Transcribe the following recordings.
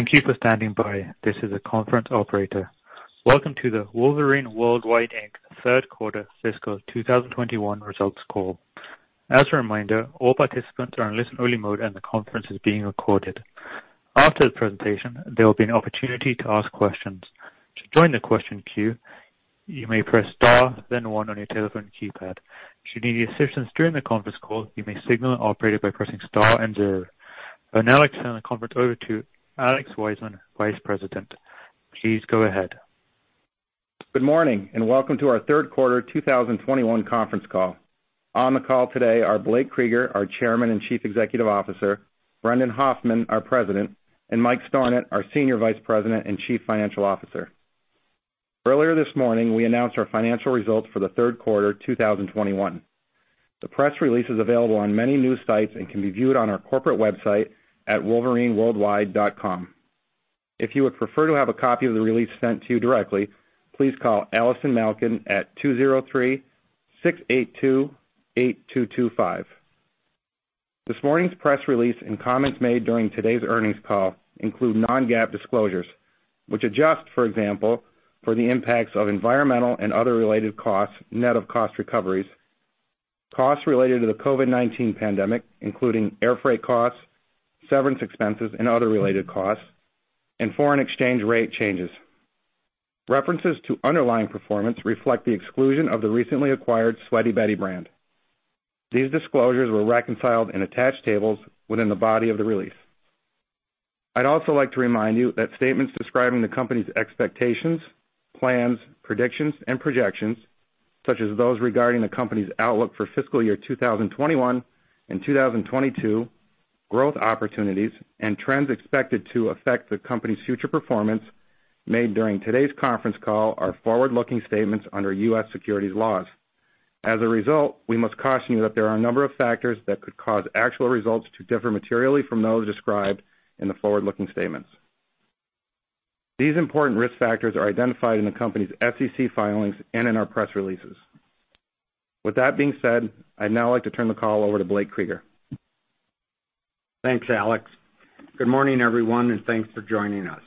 Thank you for standing by. This is the conference operator. Welcome to the Wolverine World Wide, Inc. third quarter fiscal 2021 results call. As a reminder, all participants are in listen-only mode, and the conference is being recorded. After the presentation, there will be an opportunity to ask questions. To join the question queue, you may press star, then one, on your telephone keypad. If you need any assistance during the conference call, you may signal an operator by pressing star and zero. I'll now turn the conference over to Alex Wiseman, Vice President. Please go ahead. Good morning, and welcome to our third quarter 2021 conference call. On the call today are Blake Krueger, our Chairman and Chief Executive Officer, Brendan Hoffman, our President, and Mike Stornant, our Senior Vice President and Chief Financial Officer. Earlier this morning, we announced our financial results for the third quarter 2021. The press release is available on many news sites and can be viewed on our corporate website at wolverineworldwide.com. If you would prefer to have a copy of the release sent to you directly, please call Allison Malkin at 203-682-8225. This morning's press release and comments made during today's earnings call include non-GAAP disclosures, which adjust, for example, for the impacts of environmental and other related costs, net of cost recoveries, costs related to the COVID-19 pandemic, including air freight costs, severance expenses, and other related costs, and foreign exchange rate changes. References to underlying performance reflect the exclusion of the recently acquired Sweaty Betty brand. These disclosures were reconciled in attached tables within the body of the release. I'd also like to remind you that statements describing the company's expectations, plans, predictions, and projections, such as those regarding the company's outlook for fiscal year 2021 and 2022, growth opportunities, and trends expected to affect the company's future performance made during today's conference call are forward-looking statements under U.S. securities laws. As a result, we must caution you that there are a number of factors that could cause actual results to differ materially from those described in the forward-looking statements. These important risk factors are identified in the company's SEC filings and in our press releases. With that being said, I'd now like to turn the call over to Blake Krueger. Thanks, Alex. Good morning, everyone, and thanks for joining us.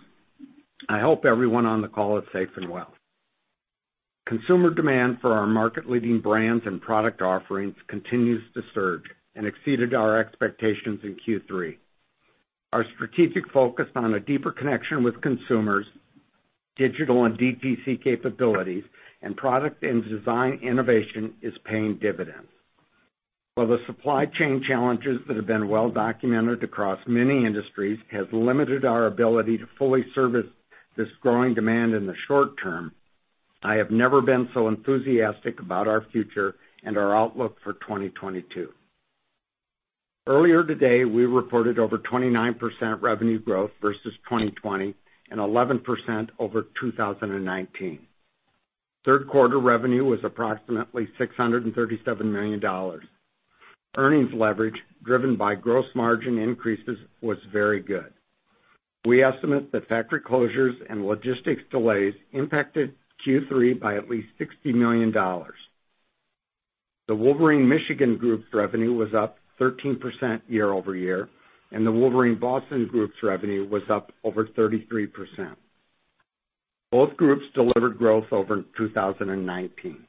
I hope everyone on the call is safe and well. Consumer demand for our market-leading brands and product offerings continues to surge and exceeded our expectations in Q3. Our strategic focus on a deeper connection with consumers, digital and DTC capabilities, and product and design innovation is paying dividends. While the supply chain challenges that have been well documented across many industries has limited our ability to fully service this growing demand in the short term, I have never been so enthusiastic about our future and our outlook for 2022. Earlier today, we reported over 29% revenue growth versus 2020 and 11% over 2019. Third quarter revenue was approximately $637 million. Earnings leverage driven by gross margin increases was very good. We estimate that factory closures and logistics delays impacted Q3 by at least $60 million. The Wolverine Michigan Group's revenue was up 13% year-over-year, and the Wolverine Boston Group's revenue was up over 33%. Both groups delivered growth over 2019.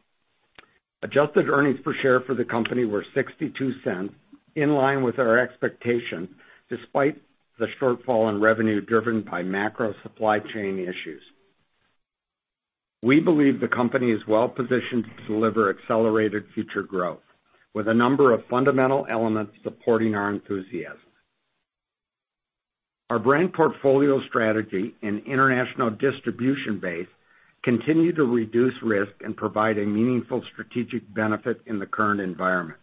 Adjusted earnings per share for the company were $0.62, in line with our expectation, despite the shortfall in revenue driven by macro supply chain issues. We believe the company is well-positioned to deliver accelerated future growth with a number of fundamental elements supporting our enthusiasm. Our brand portfolio strategy and international distribution base continue to reduce risk and provide a meaningful strategic benefit in the current environment,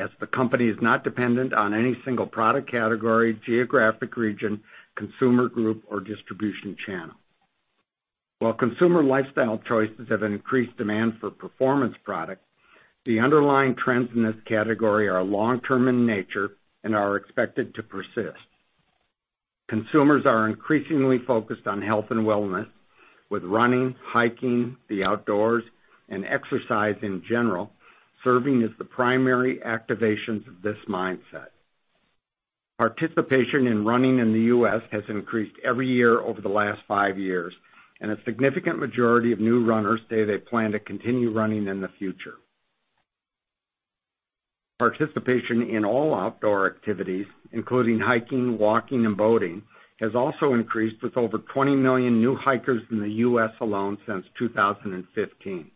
as the company is not dependent on any single product category, geographic region, consumer group, or distribution channel. While consumer lifestyle choices have increased demand for performance products, the underlying trends in this category are long-term in nature and are expected to persist. Consumers are increasingly focused on health and wellness, with running, hiking, the outdoors, and exercise in general serving as the primary activations of this mindset. Participation in running in the U.S. has increased every year over the last five years, and a significant majority of new runners today they plan to continue running in the future. Participation in all outdoor activities, including hiking, walking, and boating, has also increased, with over 20 million new hikers in the U.S. alone since 2015.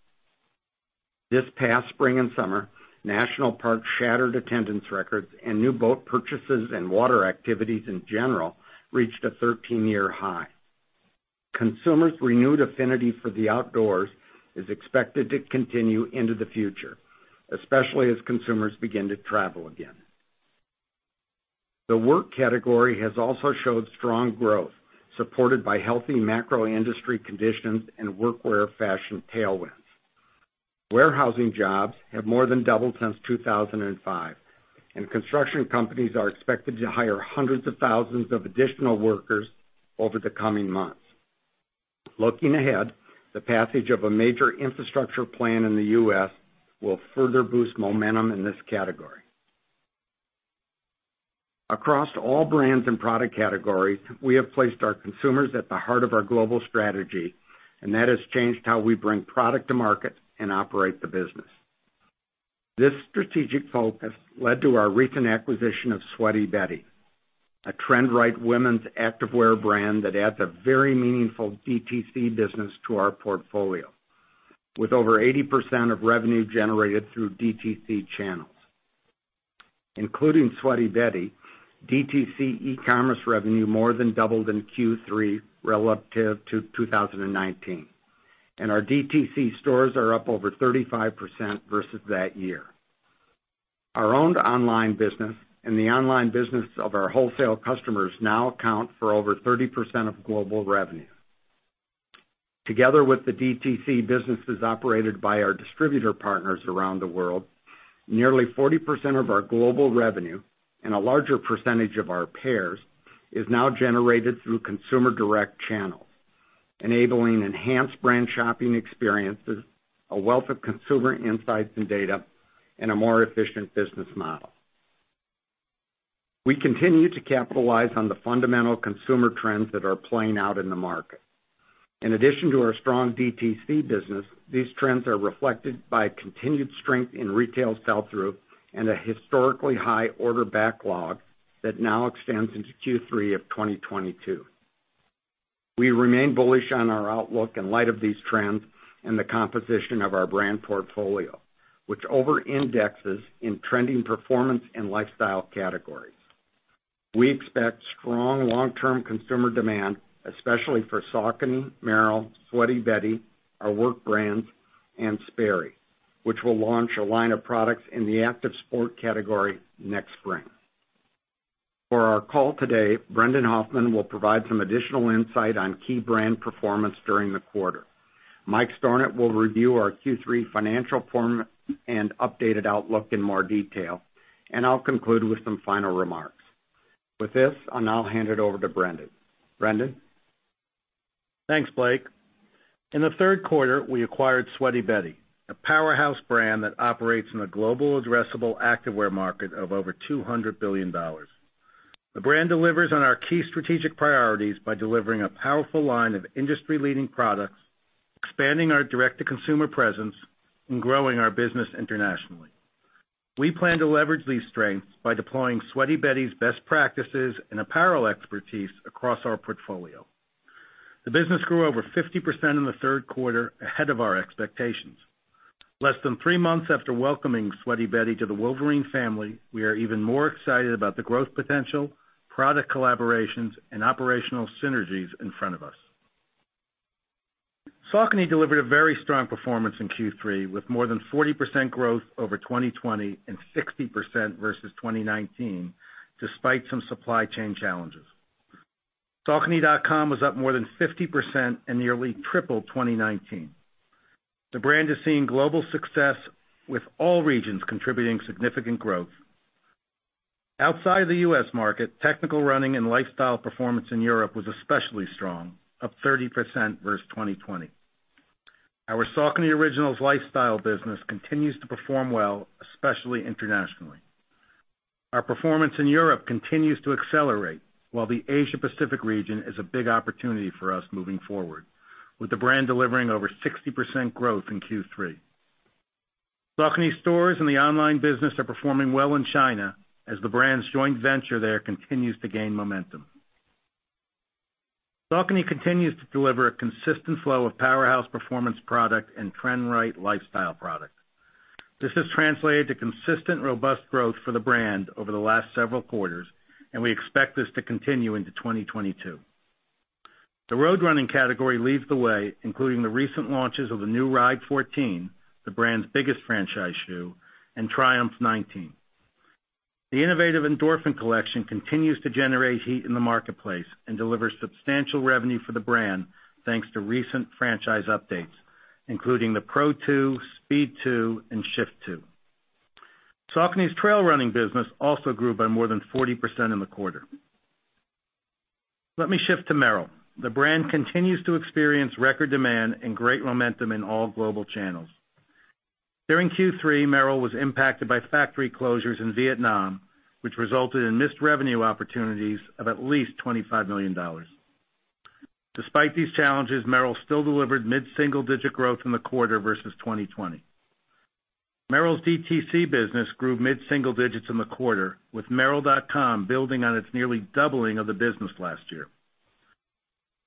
This past spring and summer, national parks shattered attendance records and new boat purchases and water activities in general reached a 13-year high. Consumers' renewed affinity for the outdoors is expected to continue into the future, especially as consumers begin to travel again. The work category has also showed strong growth, supported by healthy macro industry conditions and workwear fashion tailwinds. Warehousing jobs have more than doubled since 2005, and construction companies are expected to hire hundreds of thousands of additional workers over the coming months. Looking ahead, the passage of a major infrastructure plan in the U.S. will further boost momentum in this category. Across all brands and product categories, we have placed our consumers at the heart of our global strategy, and that has changed how we bring product to market and operate the business. This strategic focus led to our recent acquisition of Sweaty Betty, a trend-right women's activewear brand that adds a very meaningful DTC business to our portfolio, with over 80% of revenue generated through DTC channels. Including Sweaty Betty, DTC e-commerce revenue more than doubled in Q3 relative to 2019, and our DTC stores are up over 35% versus that year. Our own online business and the online business of our wholesale customers now account for over 30% of global revenue. Together with the DTC businesses operated by our distributor partners around the world, nearly 40% of our global revenue and a larger percentage of our payers is now generated through consumer direct channel, enabling enhanced brand shopping experiences, a wealth of consumer insights and data, and a more efficient business model. We continue to capitalize on the fundamental consumer trends that are playing out in the market. In addition to our strong DTC business, these trends are reflected by continued strength in retail sell-through and a historically high order backlog that now extends into Q3 of 2022. We remain bullish on our outlook in light of these trends and the composition of our brand portfolio, which over-indexes in trending performance and lifestyle categories. We expect strong long-term consumer demand, especially for Saucony, Merrell, Sweaty Betty, our work brands, and Sperry, which will launch a line of products in the active sport category next spring. For our call today, Brendan Hoffman will provide some additional insight on key brand performance during the quarter. Mike Stornant will review our Q3 financial performance and updated outlook in more detail, and I'll conclude with some final remarks. With this, I'll now hand it over to Brendan. Brendan? Thanks, Blake. In the third quarter, we acquired Sweaty Betty, a powerhouse brand that operates in a global addressable activewear market of over $200 billion. The brand delivers on our key strategic priorities by delivering a powerful line of industry-leading products, expanding our direct-to-consumer presence, and growing our business internationally. We plan to leverage these strengths by deploying Sweaty Betty's best practices and apparel expertise across our portfolio. The business grew over 50% in the third quarter, ahead of our expectations. Less than three months after welcoming Sweaty Betty to the Wolverine family, we are even more excited about the growth potential, product collaborations, and operational synergies in front of us. Saucony delivered a very strong performance in Q3, with more than 40% growth over 2020 and 60% versus 2019, despite some supply chain challenges. Saucony.com was up more than 50% and nearly tripled 2019. The brand has seen global success, with all regions contributing significant growth. Outside the U.S. market, technical running and lifestyle performance in Europe was especially strong, up 30% versus 2020. Our Saucony Originals lifestyle business continues to perform well, especially internationally. Our performance in Europe continues to accelerate, while the Asia Pacific region is a big opportunity for us moving forward, with the brand delivering over 60% growth in Q3. Saucony stores and the online business are performing well in China as the brand's joint venture there continues to gain momentum. Saucony continues to deliver a consistent flow of powerhouse performance product and trend-right lifestyle product. This has translated to consistent, robust growth for the brand over the last several quarters, and we expect this to continue into 2022. The road running category leads the way, including the recent launches of the new Ride 14, the brand's biggest franchise shoe, and Triumph 19. The innovative Endorphin collection continues to generate heat in the marketplace and delivers substantial revenue for the brand, thanks to recent franchise updates, including the Pro 2, Speed 2, and Shift 2. Saucony's trail running business also grew by more than 40% in the quarter. Let me shift to Merrell. The brand continues to experience record demand and great momentum in all global channels. During Q3, Merrell was impacted by factory closures in Vietnam, which resulted in missed revenue opportunities of at least $25 million. Despite these challenges, Merrell still delivered mid-single-digit growth in the quarter versus 2020. Merrell's DTC business grew mid-single digits in the quarter, with Merrell.com building on its nearly doubling of the business last year.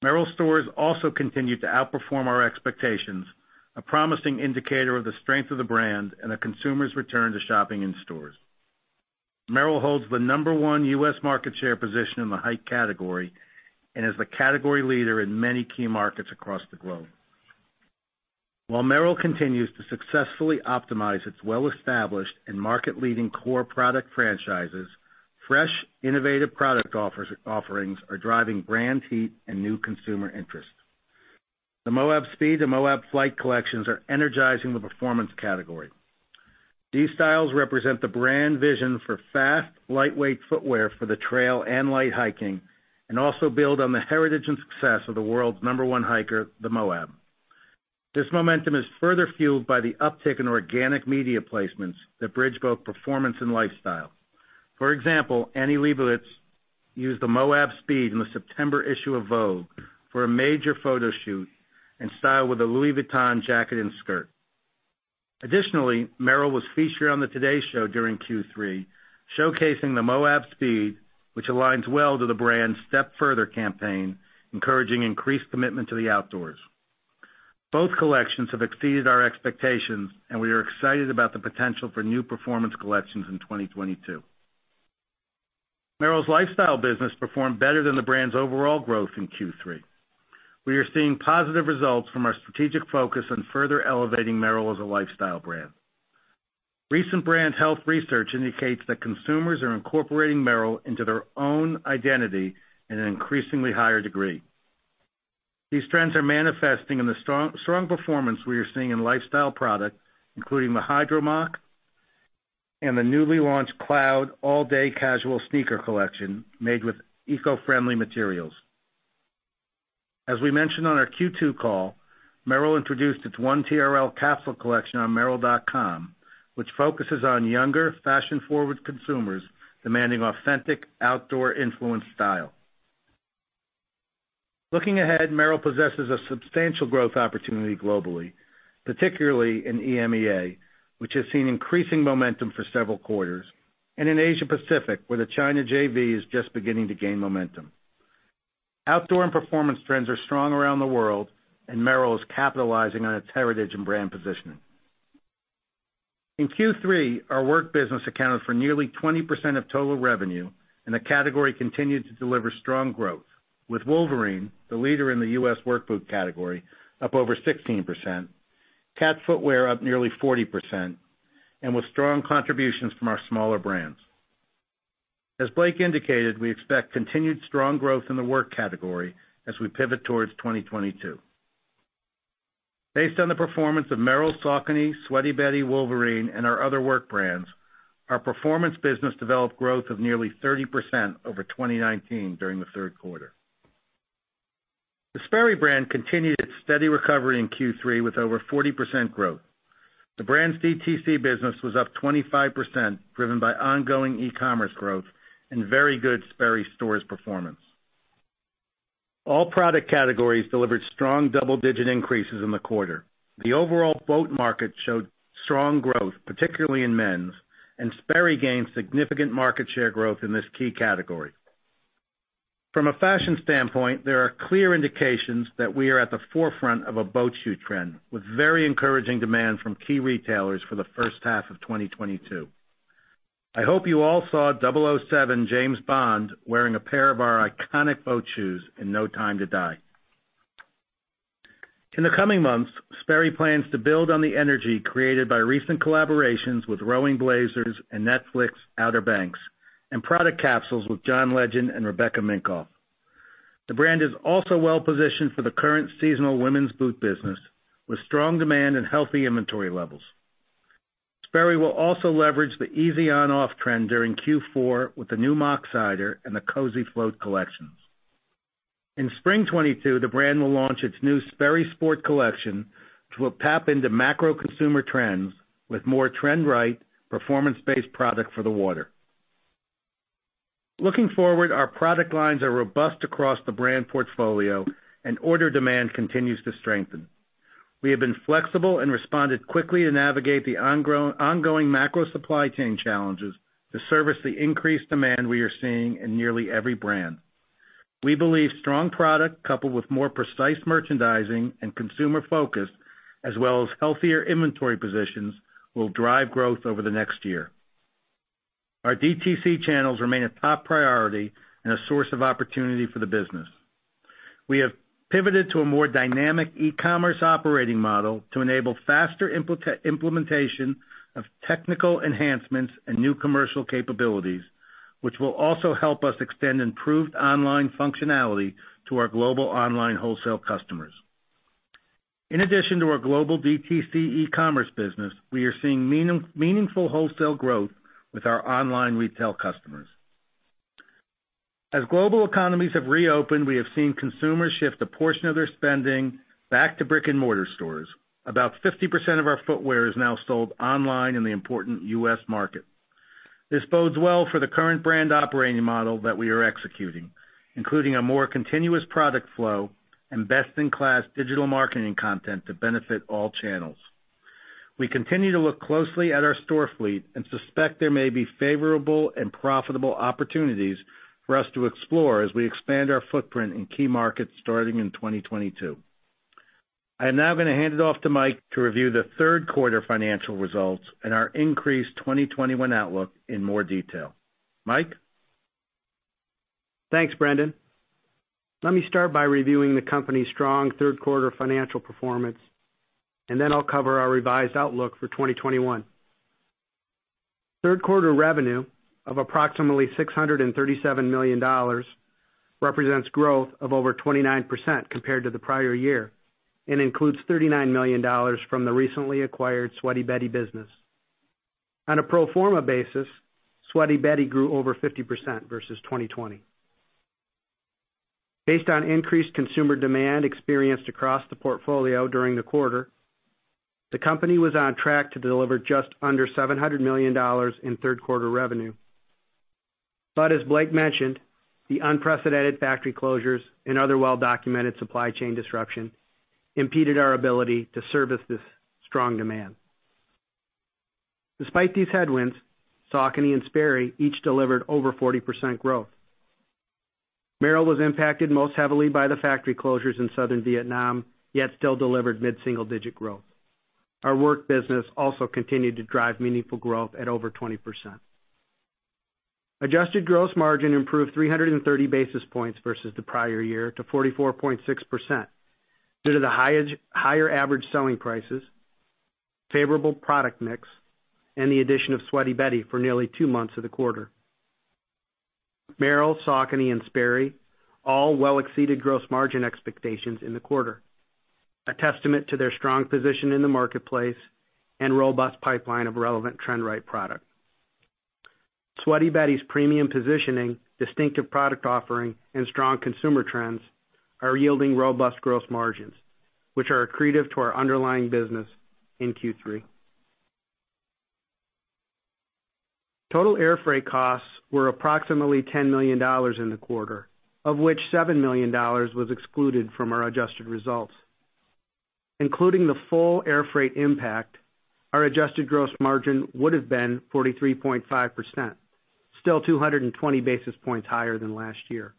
Merrell stores also continued to outperform our expectations, a promising indicator of the strength of the brand and the consumers' return to shopping in stores. Merrell holds the number one U.S. market share position in the hike category and is the category leader in many key markets across the globe. While Merrell continues to successfully optimize its well-established and market-leading core product franchises, fresh, innovative product offerings are driving brand heat and new consumer interest. The Moab Speed and Moab Flight collections are energizing the performance category. These styles represent the brand vision for fast, lightweight footwear for the trail and light hiking, and also build on the heritage and success of the world's number one hiker, the Moab. This momentum is further fueled by the uptick in organic media placements that bridge both performance and lifestyle. For example, Annie Leibovitz used the Moab Speed in the September issue of Vogue for a major photo shoot and styled with a Louis Vuitton jacket and skirt. Additionally, Merrell was featured on the Today Show during Q3, showcasing the Moab Speed, which aligns well to the brand's Step Further campaign, encouraging increased commitment to the outdoors. Both collections have exceeded our expectations, and we are excited about the potential for new performance collections in 2022. Merrell's lifestyle business performed better than the brand's overall growth in Q3. We are seeing positive results from our strategic focus on further elevating Merrell as a lifestyle brand. Recent brand health research indicates that consumers are incorporating Merrell into their own identity in an increasingly higher degree. These trends are manifesting in the strong performance we are seeing in lifestyle product, including the Hydro Moc and the newly launched Cloud all-day casual sneaker collection made with eco-friendly materials. As we mentioned on our Q2 call, Merrell introduced its 1TRL capsule collection on Merrell.com, which focuses on younger fashion-forward consumers demanding authentic outdoor influenced style. Looking ahead, Merrell possesses a substantial growth opportunity globally, particularly in EMEA, which has seen increasing momentum for several quarters, and in Asia Pacific, where the China JV is just beginning to gain momentum. Outdoor and performance trends are strong around the world, and Merrell is capitalizing on its heritage and brand positioning. In Q3, our work business accounted for nearly 20% of total revenue, and the category continued to deliver strong growth. With Wolverine, the leader in the U.S. work boot category up over 16%, Cat Footwear up nearly 40%, and with strong contributions from our smaller brands. As Blake indicated, we expect continued strong growth in the work category as we pivot towards 2022. Based on the performance of Merrell, Saucony, Sweaty Betty, Wolverine, and our other work brands, our performance business developed growth of nearly 30% over 2019 during the third quarter. The Sperry brand continued its steady recovery in Q3 with over 40% growth. The brand's DTC business was up 25%, driven by ongoing e-commerce growth and very good Sperry stores performance. All product categories delivered strong double-digit increases in the quarter. The overall boat market showed strong growth, particularly in men's, and Sperry gained significant market share growth in this key category. From a fashion standpoint, there are clear indications that we are at the forefront of a boat shoe trend with very encouraging demand from key retailers for the first half of 2022. I hope you all saw 007 James Bond wearing a pair of our iconic boat shoes in No Time to Die. In the coming months, Sperry plans to build on the energy created by recent collaborations with Rowing Blazers and Netflix, Outer Banks, and product capsules with John Legend and Rebecca Minkoff. The brand is also well-positioned for the current seasonal women's boot business with strong demand and healthy inventory levels. Sperry will also leverage the easy on/off trend during Q4 with the new Moc-Sider and the Cozy Float collections. In spring 2022, the brand will launch its new Sperry Sport collection through a path into macro consumer trends with more trend-right performance-based product for the water. Looking forward, our product lines are robust across the brand portfolio and order demand continues to strengthen. We have been flexible and responded quickly to navigate the ongoing macro supply chain challenges to service the increased demand we are seeing in nearly every brand. We believe strong product coupled with more precise merchandising and consumer focus, as well as healthier inventory positions, will drive growth over the next year. Our DTC channels remain a top priority and a source of opportunity for the business. We have pivoted to a more dynamic e-commerce operating model to enable faster implementation of technical enhancements and new commercial capabilities, which will also help us extend improved online functionality to our global online wholesale customers. In addition to our global DTC e-commerce business, we are seeing meaningful wholesale growth with our online retail customers. As global economies have reopened, we have seen consumers shift a portion of their spending back to brick-and-mortar stores. About 50% of our footwear is now sold online in the important U.S. market. This bodes well for the current brand operating model that we are executing, including a more continuous product flow and best-in-class digital marketing content to benefit all channels. We continue to look closely at our store fleet and suspect there may be favorable and profitable opportunities for us to explore as we expand our footprint in key markets starting in 2022. I am now gonna hand it off to Mike to review the third quarter financial results and our increased 2021 outlook in more detail. Mike? Thanks, Brendan. Let me start by reviewing the company's strong third quarter financial performance, and then I'll cover our revised outlook for 2021. Third quarter revenue of approximately $637 million represents growth of over 29% compared to the prior year, and includes $39 million from the recently acquired Sweaty Betty business. On a pro forma basis, Sweaty Betty grew over 50% versus 2020. Based on increased consumer demand experienced across the portfolio during the quarter, the company was on track to deliver just under $700 million in third quarter revenue. As Blake mentioned, the unprecedented factory closures and other well-documented supply chain disruption impeded our ability to service this strong demand. Despite these headwinds, Saucony and Sperry each delivered over 40% growth. Merrell was impacted most heavily by the factory closures in southern Vietnam, yet still delivered mid-single-digit growth. Our work business also continued to drive meaningful growth at over 20%. Adjusted gross margin improved 330 basis points versus the prior year to 44.6% due to higher average selling prices, favorable product mix, and the addition of Sweaty Betty for nearly two months of the quarter. Merrell, Saucony, and Sperry all well exceeded gross margin expectations in the quarter, a testament to their strong position in the marketplace and robust pipeline of relevant trend-right product. Sweaty Betty's premium positioning, distinctive product offering, and strong consumer trends are yielding robust gross margins, which are accretive to our underlying business in Q3. Total air freight costs were approximately $10 million in the quarter, of which $7 million was excluded from our adjusted results. Including the full air freight impact, our adjusted gross margin would have been 43.5%, still 220 basis points higher than last year.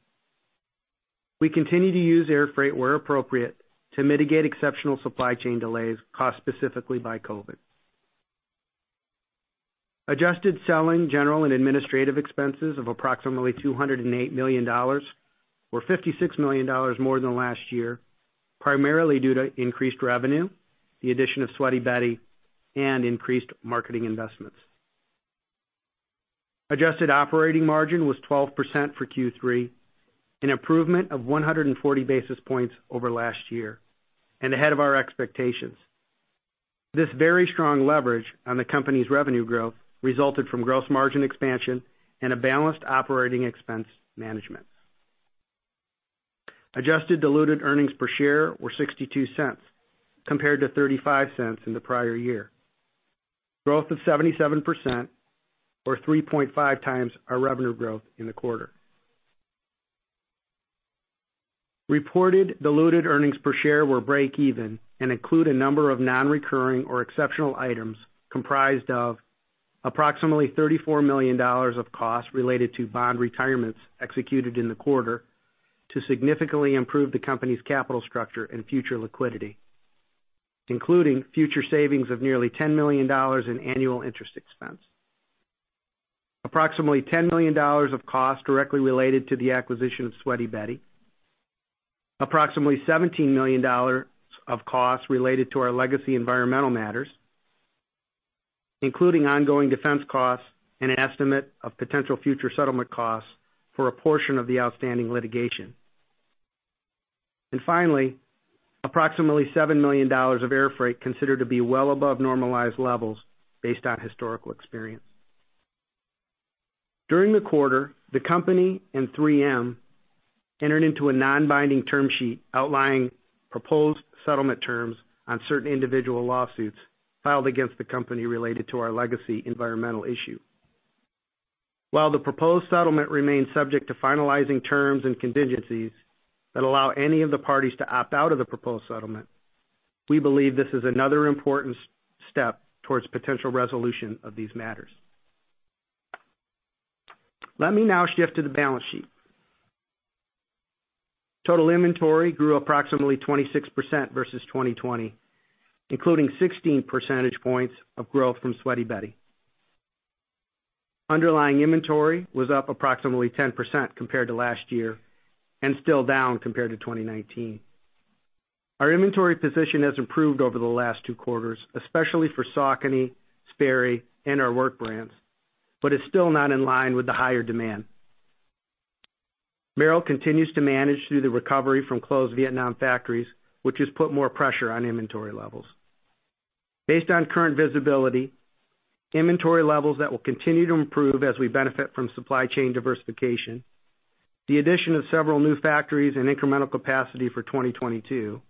We continue to use air freight where appropriate to mitigate exceptional supply chain delays caused specifically by COVID. Adjusted selling, general, and administrative expenses of approximately $208 million were $56 million more than last year, primarily due to increased revenue, the addition of Sweaty Betty, and increased marketing investments. Adjusted operating margin was 12% for Q3, an improvement of 140 basis points over last year and ahead of our expectations. This very strong leverage on the company's revenue growth resulted from gross margin expansion and a balanced operating expense management. Adjusted diluted earnings per share were $0.62 compared to $0.35 in the prior year. Growth of 77% or 3.5x our revenue growth in the quarter. Reported diluted earnings per share were breakeven and include a number of non-recurring or exceptional items comprised of approximately $34 million of costs related to bond retirements executed in the quarter to significantly improve the company's capital structure and future liquidity, including future savings of nearly $10 million in annual interest expense. Approximately $10 million of costs directly related to the acquisition of Sweaty Betty. Approximately $17 million of costs related to our legacy environmental matters, including ongoing defense costs and an estimate of potential future settlement costs for a portion of the outstanding litigation. Finally, approximately $7 million of air freight considered to be well above normalized levels based on historical experience. During the quarter, the company and 3M entered into a non-binding term sheet outlining proposed settlement terms on certain individual lawsuits filed against the company related to our legacy environmental issue. While the proposed settlement remains subject to finalizing terms and contingencies that allow any of the parties to opt out of the proposed settlement, we believe this is another important step towards potential resolution of these matters. Let me now shift to the balance sheet. Total inventory grew approximately 26% versus 2020, including 16 percentage points of growth from Sweaty Betty. Underlying inventory was up approximately 10% compared to last year and still down compared to 2019. Our inventory position has improved over the last two quarters, especially for Saucony, Sperry, and our work brands, but is still not in line with the higher demand. Merrell continues to manage through the recovery from closed Vietnam factories, which has put more pressure on inventory levels. Based on current visibility, inventory levels that will continue to improve as we benefit from supply chain diversification, the addition of several new factories and incremental capacity for 2022,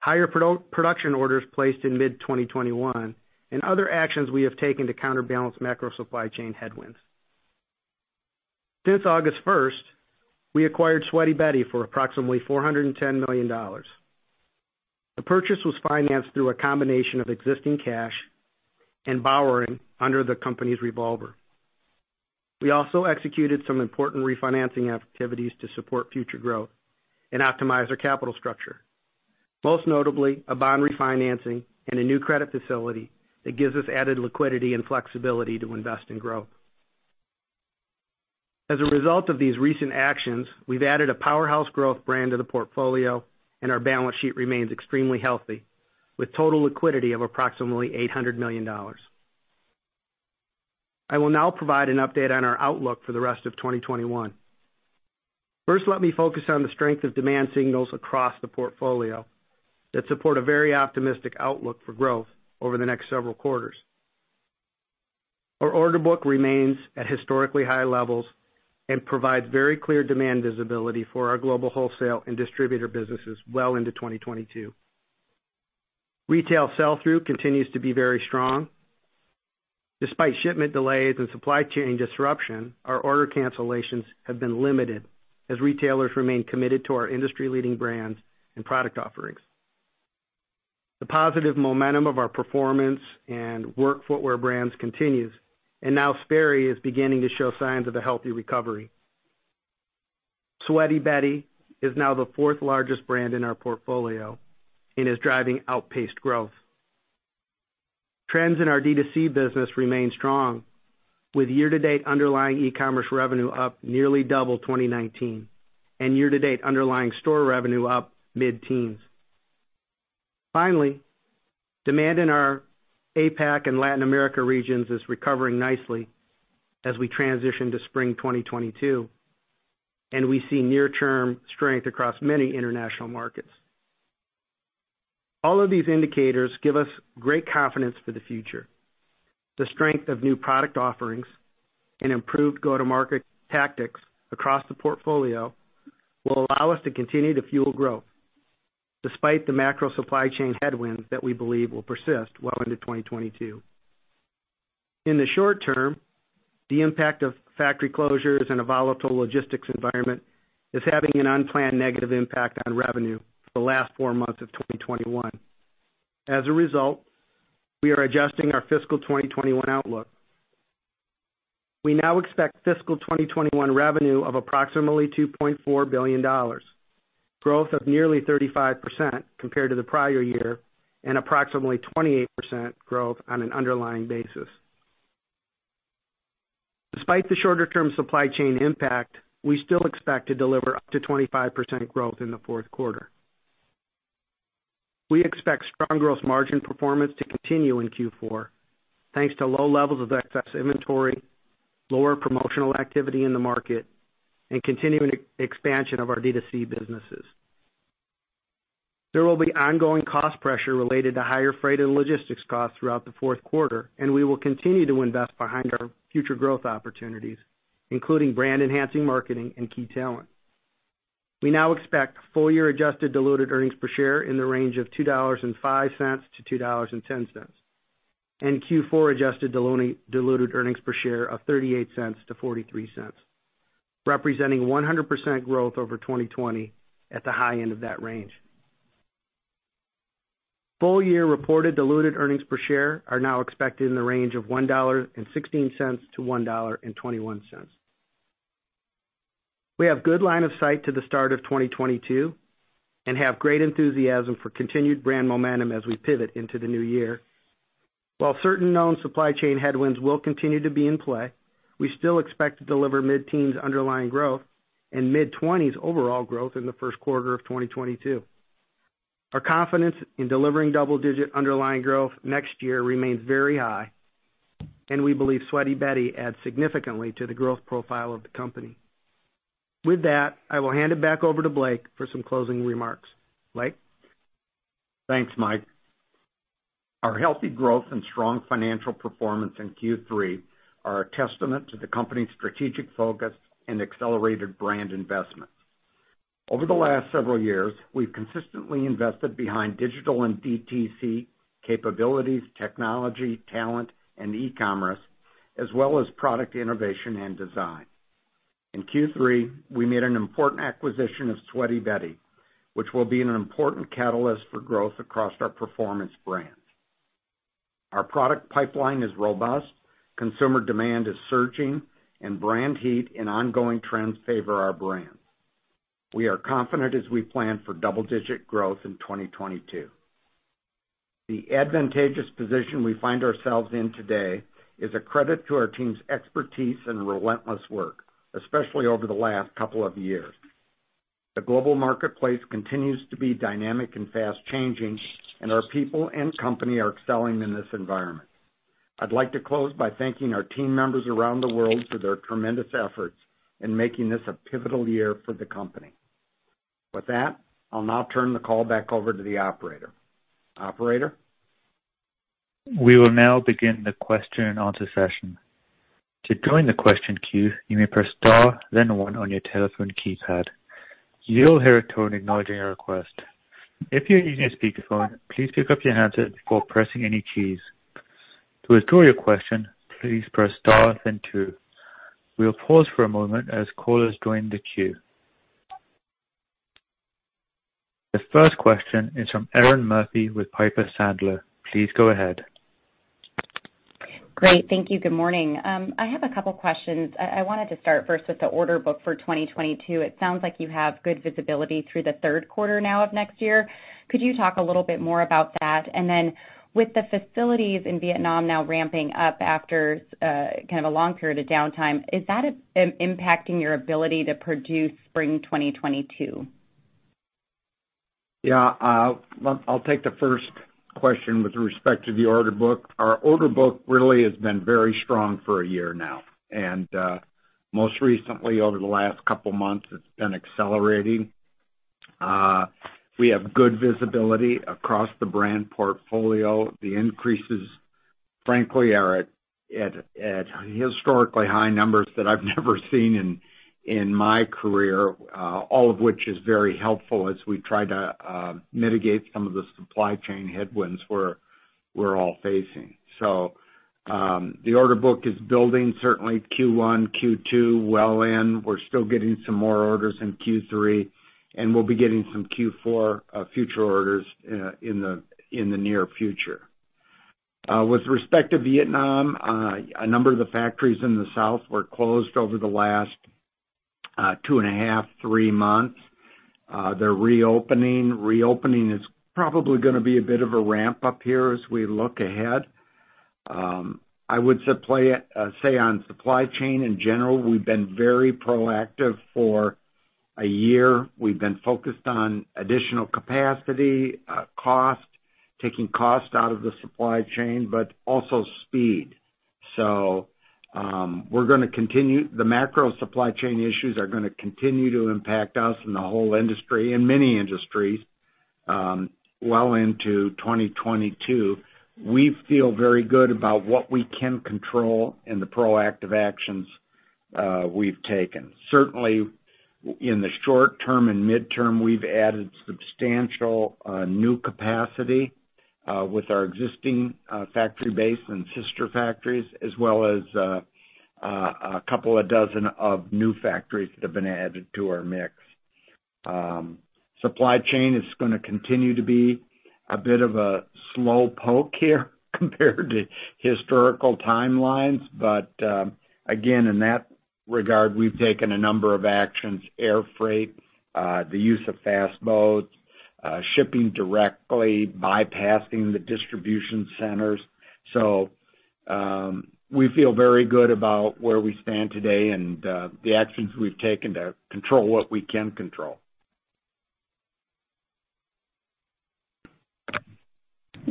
higher production orders placed in mid-2021, and other actions we have taken to counterbalance macro supply chain headwinds. Since August 1st, we acquired Sweaty Betty for approximately $410 million. The purchase was financed through a combination of existing cash and borrowing under the company's revolver. We also executed some important refinancing activities to support future growth and optimize our capital structure, most notably a bond refinancing and a new credit facility that gives us added liquidity and flexibility to invest in growth. As a result of these recent actions, we've added a powerhouse growth brand to the portfolio, and our balance sheet remains extremely healthy, with total liquidity of approximately $800 million. I will now provide an update on our outlook for the rest of 2021. First, let me focus on the strength of demand signals across the portfolio that support a very optimistic outlook for growth over the next several quarters. Our order book remains at historically high levels and provides very clear demand visibility for our global wholesale and distributor businesses well into 2022. Retail sell-through continues to be very strong. Despite shipment delays and supply chain disruption, our order cancellations have been limited as retailers remain committed to our industry-leading brands and product offerings. The positive momentum of our performance and work footwear brands continues, and now Sperry is beginning to show signs of a healthy recovery. Sweaty Betty is now the fourth largest brand in our portfolio and is driving outpaced growth. Trends in our DTC business remain strong, with year-to-date underlying e-commerce revenue up nearly double 2019, and year-to-date underlying store revenue up mid-teens. Finally, demand in our APAC and Latin America regions is recovering nicely as we transition to spring 2022, and we see near-term strength across many international markets. All of these indicators give us great confidence for the future. The strength of new product offerings and improved go-to-market tactics across the portfolio will allow us to continue to fuel growth despite the macro supply chain headwinds that we believe will persist well into 2022. In the short term, the impact of factory closures and a volatile logistics environment is having an unplanned negative impact on revenue for the last four months of 2021. As a result, we are adjusting our fiscal 2021 outlook. We now expect fiscal 2021 revenue of approximately $2.4 billion, growth of nearly 35% compared to the prior year, and approximately 28% growth on an underlying basis. Despite the shorter-term supply chain impact, we still expect to deliver up to 25% growth in the fourth quarter. We expect strong gross margin performance to continue in Q4, thanks to low levels of excess inventory, lower promotional activity in the market, and continuing expansion of our DTC businesses. There will be ongoing cost pressure related to higher freight and logistics costs throughout the fourth quarter, and we will continue to invest behind our future growth opportunities, including brand-enhancing marketing and key talent. We now expect full-year adjusted diluted earnings per share in the range of $2.05-$2.10, and Q4 adjusted diluted earnings per share of $0.38-$0.43, representing 100% growth over 2020 at the high end of that range. Full-year reported diluted earnings per share are now expected in the range of $1.16-$1.21. We have good line of sight to the start of 2022 and have great enthusiasm for continued brand momentum as we pivot into the new year. While certain known supply chain headwinds will continue to be in play, we still expect to deliver mid-teens underlying growth and mid-20s overall growth in the first quarter of 2022. Our confidence in delivering double-digit underlying growth next year remains very high, and we believe Sweaty Betty adds significantly to the growth profile of the company. With that, I will hand it back over to Blake for some closing remarks. Blake? Thanks, Mike. Our healthy growth and strong financial performance in Q3 are a testament to the company's strategic focus and accelerated brand investments. Over the last several years, we've consistently invested behind digital and DTC capabilities, technology, talent, and e-commerce, as well as product innovation and design. In Q3, we made an important acquisition of Sweaty Betty, which will be an important catalyst for growth across our performance brands. Our product pipeline is robust, consumer demand is surging, and brand heat and ongoing trends favor our brands. We are confident as we plan for double-digit growth in 2022. The advantageous position we find ourselves in today is a credit to our team's expertise and relentless work, especially over the last couple of years. The global marketplace continues to be dynamic and fast-changing, and our people and company are excelling in this environment. I'd like to close by thanking our team members around the world for their tremendous efforts in making this a pivotal year for the company. With that, I'll now turn the call back over to the operator. Operator? We will now begin the question-and-answer session. To join the question queue, you may press star then one on your telephone keypad. You'll hear a tone acknowledging your request. If you're using a speakerphone, please pick up your handset before pressing any keys. To withdraw your question, please press star then two. We'll pause for a moment as callers join the queue. The first question is from Erinn Murphy with Piper Sandler. Please go ahead. Great. Thank you. Good morning. I have a couple questions. I wanted to start first with the order book for 2022. It sounds like you have good visibility through the third quarter now of next year. Could you talk a little bit more about that? With the facilities in Vietnam now ramping up after kind of a long period of downtime, is that impacting your ability to produce spring 2022? Well, I'll take the first question with respect to the order book. Our order book really has been very strong for a year now. Most recently, over the last couple months, it's been accelerating. We have good visibility across the brand portfolio. The increases, frankly, are at historically high numbers that I've never seen in my career, all of which is very helpful as we try to mitigate some of the supply chain headwinds we're all facing. The order book is building certainly Q1, Q2 well in. We're still getting some more orders in Q3, and we'll be getting some Q4 future orders in the near future. With respect to Vietnam, a number of the factories in the south were closed over the last two and a half to three months. They're reopening. Reopening is probably gonna be a bit of a ramp up here as we look ahead. Say on supply chain in general, we've been very proactive for a year. We've been focused on additional capacity, cost, taking cost out of the supply chain, but also speed. We're gonna continue. The macro supply chain issues are gonna continue to impact us and the whole industry and many industries well into 2022. We feel very good about what we can control and the proactive actions we've taken. Certainly, in the short term and midterm, we've added substantial new capacity with our existing factory base and sister factories, as well as a couple of dozen new factories that have been added to our mix. Supply chain is gonna continue to be a bit of a slow poke here compared to historical timelines. Again, in that regard, we've taken a number of actions, air freight, the use of fast boats, shipping directly, bypassing the distribution centers. We feel very good about where we stand today and the actions we've taken to control what we can control.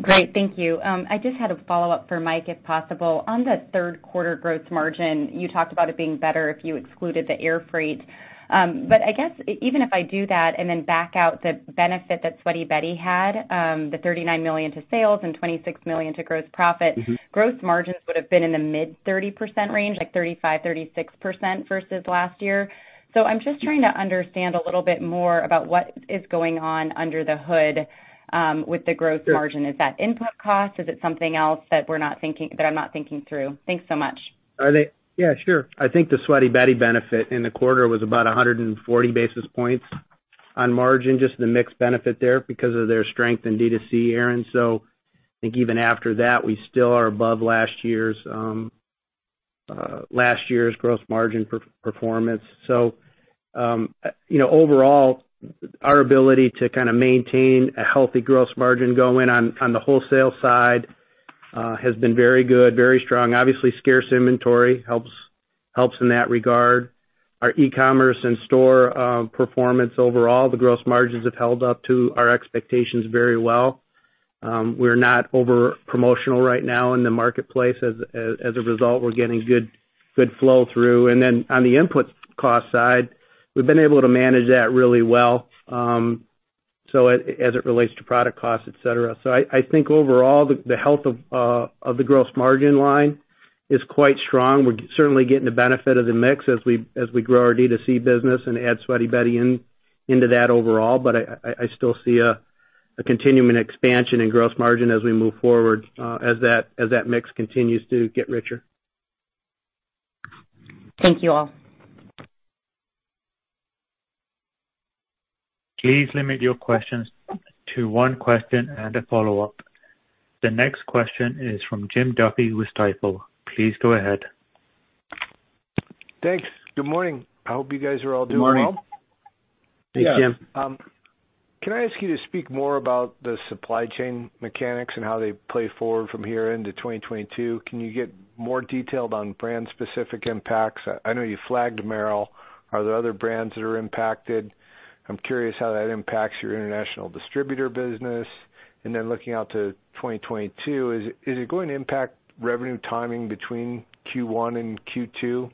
Great. Thank you. I just had a follow-up for Mike, if possible. On the third quarter gross margin, you talked about it being better if you excluded the air freight. I guess even if I do that and then back out the benefit that Sweaty Betty had, the $39 million to sales and $26 million to gross profit- Mm-hmm gross margins would have been in the mid-30% range, like 35%-36% versus last year. I'm just trying to understand a little bit more about what is going on under the hood with the gross margin. Is that input cost? Is it something else that I'm not thinking through? Thanks so much. Yeah, sure. I think the Sweaty Betty benefit in the quarter was about 140 basis points on margin, just the mix benefit there because of their strength in DTC, Erinn. I think even after that, we still are above last year's gross margin performance. You know, overall, our ability to kind of maintain a healthy gross margin going on the wholesale side has been very good, very strong. Obviously, scarce inventory helps in that regard. Our e-commerce and store performance overall, the gross margins have held up to our expectations very well. We're not over-promotional right now in the marketplace. As a result, we're getting good flow through. On the input cost side, we've been able to manage that really well, so as it relates to product costs, et cetera. I think overall, the health of the gross margin line is quite strong. We're certainly getting the benefit of the mix as we grow our DTC business and add Sweaty Betty into that overall. I still see a continuing expansion in gross margin as we move forward, as that mix continues to get richer. Thank you all. Please limit your questions to one question and a follow-up. The next question is from Jim Duffy with Stifel. Please go ahead. Thanks. Good morning. I hope you guys are all doing well. Good morning. Hey, Jim. Yeah. Can I ask you to speak more about the supply chain mechanics and how they play forward from here into 2022? Can you get more detailed on brand-specific impacts? I know you flagged Merrell. Are there other brands that are impacted? I'm curious how that impacts your international distributor business. Looking out to 2022, is it going to impact revenue timing between Q1 and Q2?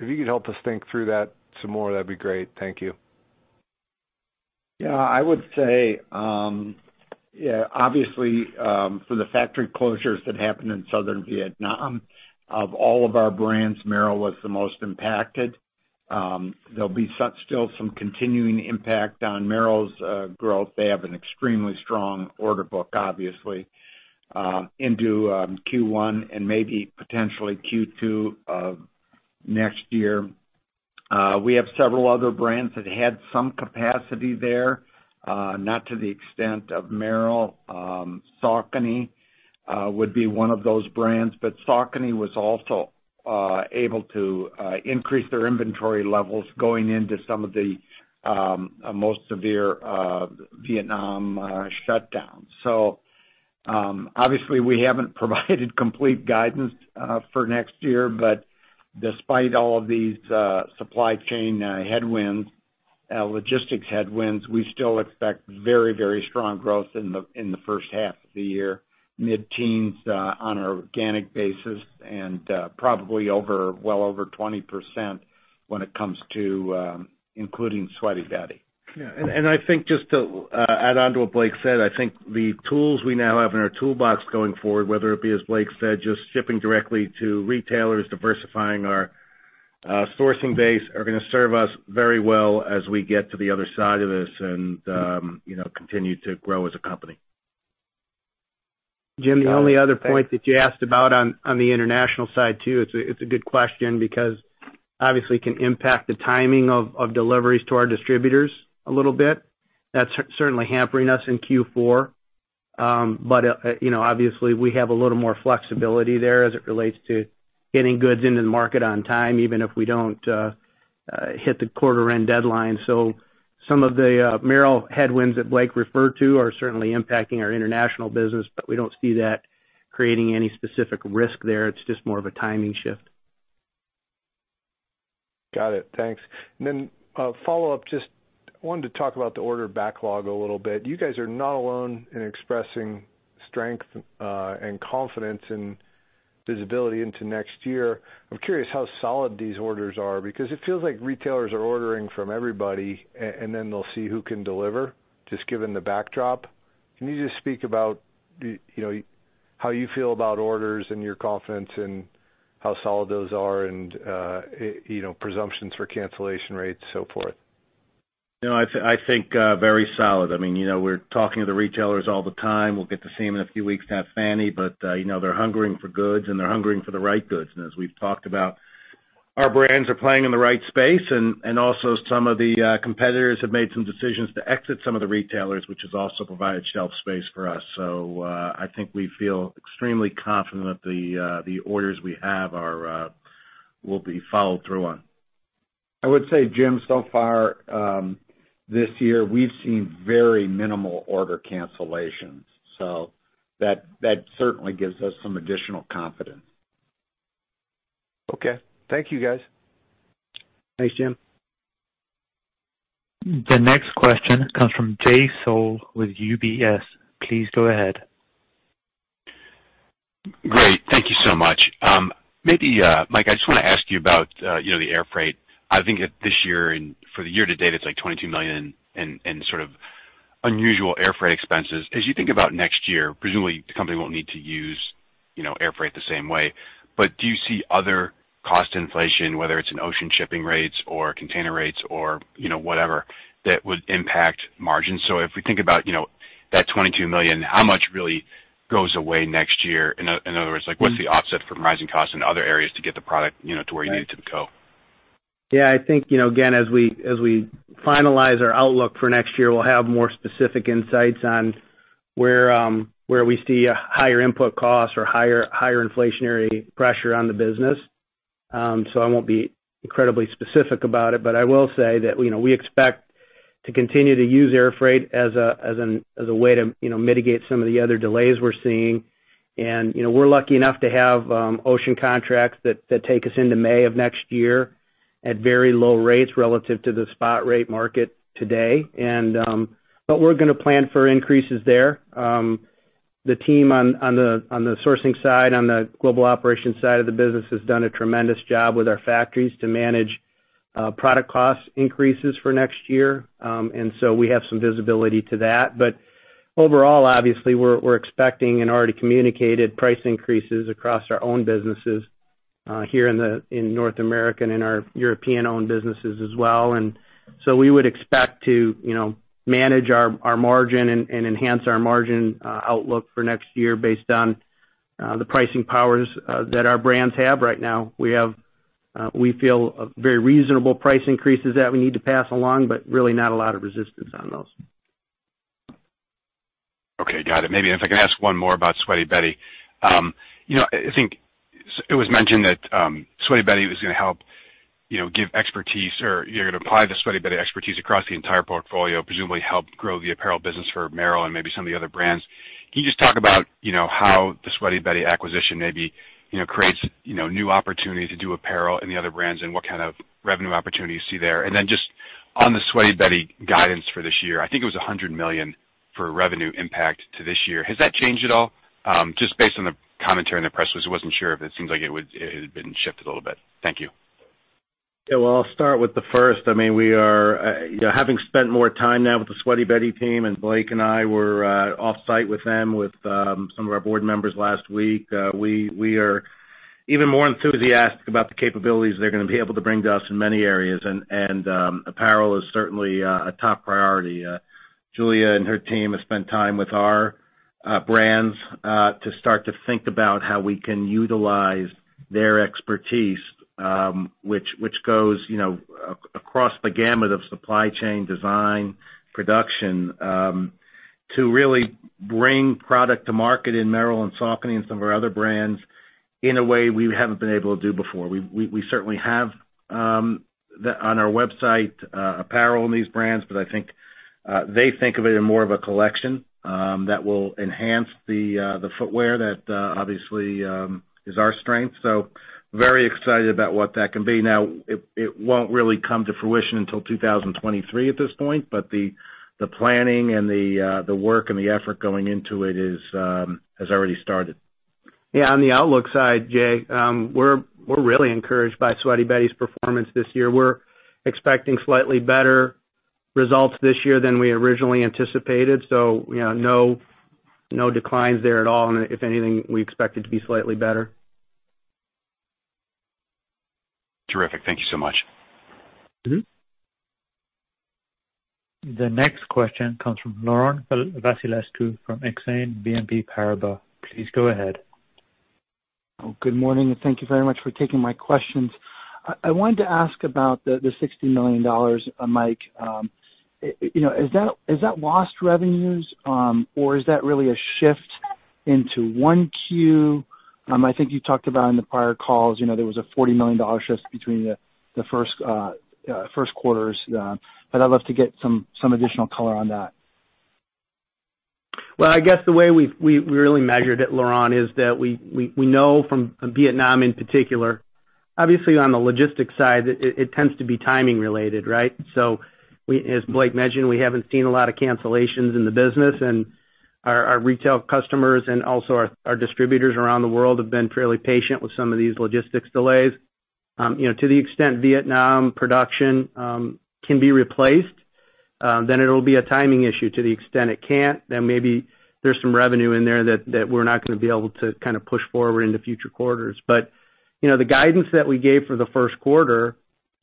If you could help us think through that some more, that'd be great. Thank you. Yeah, I would say, obviously, for the factory closures that happened in Southern Vietnam, of all of our brands, Merrell was the most impacted. There'll be some continuing impact on Merrell's growth. They have an extremely strong order book, obviously, into Q1 and maybe potentially Q2 of next year. We have several other brands that had some capacity there, not to the extent of Merrell. Saucony would be one of those brands, but Saucony was also able to increase their inventory levels going into some of the most severe Vietnam shutdowns. Obviously, we haven't provided complete guidance for next year. Despite all of these supply chain headwinds, logistics headwinds, we still expect very, very strong growth in the first half of the year, mid-teens on an organic basis and probably well over 20% when it comes to including Sweaty Betty. Yeah. I think just to add on to what Blake said, I think the tools we now have in our toolbox going forward, whether it be, as Blake said, just shipping directly to retailers, diversifying our sourcing base, are gonna serve us very well as we get to the other side of this and you know, continue to grow as a company. Jim, the only other point that you asked about on the international side, too. It's a good question because obviously it can impact the timing of deliveries to our distributors a little bit. That's certainly hampering us in Q4. You know, obviously, we have a little more flexibility there as it relates to getting goods into the market on time, even if we don't hit the quarter-end deadline. Some of the Merrell headwinds that Blake referred to are certainly impacting our international business, but we don't see that creating any specific risk there. It's just more of a timing shift. Got it. Thanks. A follow-up, just wanted to talk about the order backlog a little bit. You guys are not alone in expressing strength and confidence in visibility into next year. I'm curious how solid these orders are because it feels like retailers are ordering from everybody and then they'll see who can deliver, just given the backdrop. Can you just speak about, you know, how you feel about orders and your confidence and how solid those are and, you know, presumptions for cancellation rates and so forth? No, I think very solid. I mean, you know, we're talking to the retailers all the time. We'll get to see them in a few weeks at FFANY, but you know, they're hungering for goods and they're hungering for the right goods. As we've talked about, our brands are playing in the right space and also some of the competitors have made some decisions to exit some of the retailers, which has also provided shelf space for us. I think we feel extremely confident that the orders we have will be followed through on. I would say, Jim, so far, this year, we've seen very minimal order cancellations. That certainly gives us some additional confidence. Okay. Thank you, guys. Thanks, Jim. The next question comes from Jay Sole with UBS. Please go ahead. Great. Thank you so much. Maybe, Mike, I just wanna ask you about, you know, the air freight. I think this year and for the year to date, it's like $22 million in sort of unusual air freight expenses. As you think about next year, presumably the company won't need to use, you know, air freight the same way. But do you see other cost inflation, whether it's in ocean shipping rates or container rates or, you know, whatever, that would impact margins? If we think about, you know, that $22 million, how much really goes away next year? In other words, like, what's the offset from rising costs in other areas to get the product, you know, to where you need it to go? Yeah, I think, you know, again, as we finalize our outlook for next year, we'll have more specific insights on where we see a higher input cost or higher inflationary pressure on the business. I won't be incredibly specific about it, but I will say that, you know, we expect to continue to use air freight as a way to, you know, mitigate some of the other delays we're seeing. You know, we're lucky enough to have ocean contracts that take us into May of next year at very low rates relative to the spot rate market today. We're gonna plan for increases there. The team on the sourcing side, on the global operations side of the business has done a tremendous job with our factories to manage product cost increases for next year. We have some visibility to that. Overall, obviously, we're expecting and already communicated price increases across our own businesses here in North America and in our European-owned businesses as well. We would expect to, you know, manage our margin and enhance our margin outlook for next year based on the pricing powers that our brands have right now. We feel very reasonable price increases that we need to pass along, but really not a lot of resistance on those. Okay. Got it. Maybe if I can ask one more about Sweaty Betty. You know, I think it was mentioned that Sweaty Betty was gonna help, you know, give expertise or you're gonna apply the Sweaty Betty expertise across the entire portfolio, presumably help grow the apparel business for Merrell and maybe some of the other brands. Can you just talk about, you know, how the Sweaty Betty acquisition maybe, you know, creates, you know, new opportunity to do apparel in the other brands and what kind of revenue opportunity you see there? And then just on the Sweaty Betty guidance for this year, I think it was $100 million for revenue impact to this year. Has that changed at all? Just based on the commentary in the press release, I wasn't sure if it seems like it had been shifted a little bit. Thank you. Yeah. Well, I'll start with the first. I mean, we are, you know, having spent more time now with the Sweaty Betty team, and Blake and I were off-site with them, with some of our board members last week. We are even more enthusiastic about the capabilities they're gonna be able to bring to us in many areas, and apparel is certainly a top priority. Julia and her team have spent time with our brands to start to think about how we can utilize their expertise, which goes, you know, across the gamut of supply chain design, production, to really bring product to market in Merrell and Saucony and some of our other brands. In a way we haven't been able to do before. We certainly have apparel on our website in these brands, but I think they think of it in more of a collection that will enhance the footwear that obviously is our strength. Very excited about what that can be. Now, it won't really come to fruition until 2023 at this point, but the planning and the work and the effort going into it has already started. Yeah, on the outlook side, Jay, we're really encouraged by Sweaty Betty's performance this year. We're expecting slightly better results this year than we originally anticipated, so you know, no declines there at all, and if anything, we expect it to be slightly better. Terrific. Thank you so much. Mm-hmm. The next question comes from Laurent Vasilescu from Exane BNP Paribas. Please go ahead. Oh, good morning, and thank you very much for taking my questions. I wanted to ask about the $60 million, Mike. You know, is that lost revenues, or is that really a shift into 1Q? I think you talked about in the prior calls. You know, there was a $40 million shift between the first quarters, but I'd love to get some additional color on that. Well, I guess the way we've really measured it, Laurent, is that we know from Vietnam in particular, obviously on the logistics side, it tends to be timing related, right? As Blake mentioned, we haven't seen a lot of cancellations in the business and our retail customers and also our distributors around the world have been fairly patient with some of these logistics delays. You know, to the extent Vietnam production can be replaced, then it'll be a timing issue. To the extent it can't, then maybe there's some revenue in there that we're not gonna be able to kind of push forward into future quarters. You know, the guidance that we gave for the first quarter,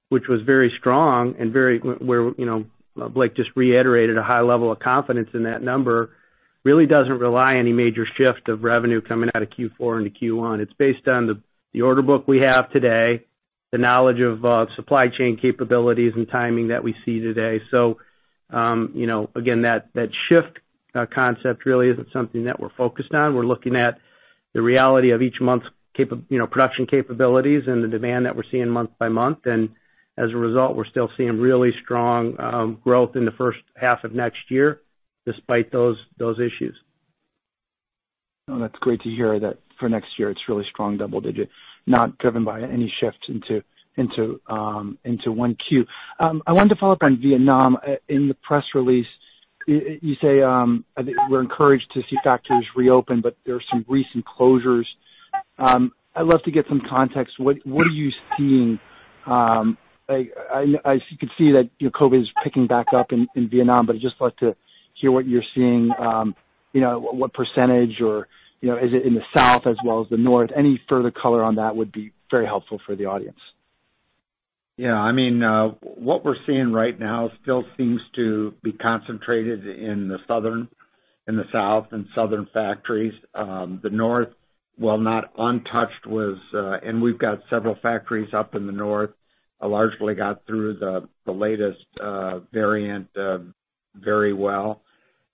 which was very strong, where you know, Blake just reiterated a high level of confidence in that number, really doesn't rely on any major shift of revenue coming out of Q4 into Q1. It's based on the order book we have today, the knowledge of supply chain capabilities and timing that we see today. You know, again, that shift concept really isn't something that we're focused on. We're looking at the reality of each month's you know, production capabilities and the demand that we're seeing month by month. As a result, we're still seeing really strong growth in the first half of next year, despite those issues. No, that's great to hear that for next year, it's really strong double-digit, not driven by any shift into Q1. I wanted to follow up on Vietnam. In the press release, you say, I think, "We're encouraged to see factories reopen," but there are some recent closures. I'd love to get some context. What are you seeing? I can see that, you know, COVID is picking back up in Vietnam, but I'd just love to hear what you're seeing, you know, what percentage or, you know, is it in the south as well as the north? Any further color on that would be very helpful for the audience. Yeah, I mean, what we're seeing right now still seems to be concentrated in the south and southern factories. The north, while not untouched, and we've got several factories up in the north, largely got through the latest variant very well.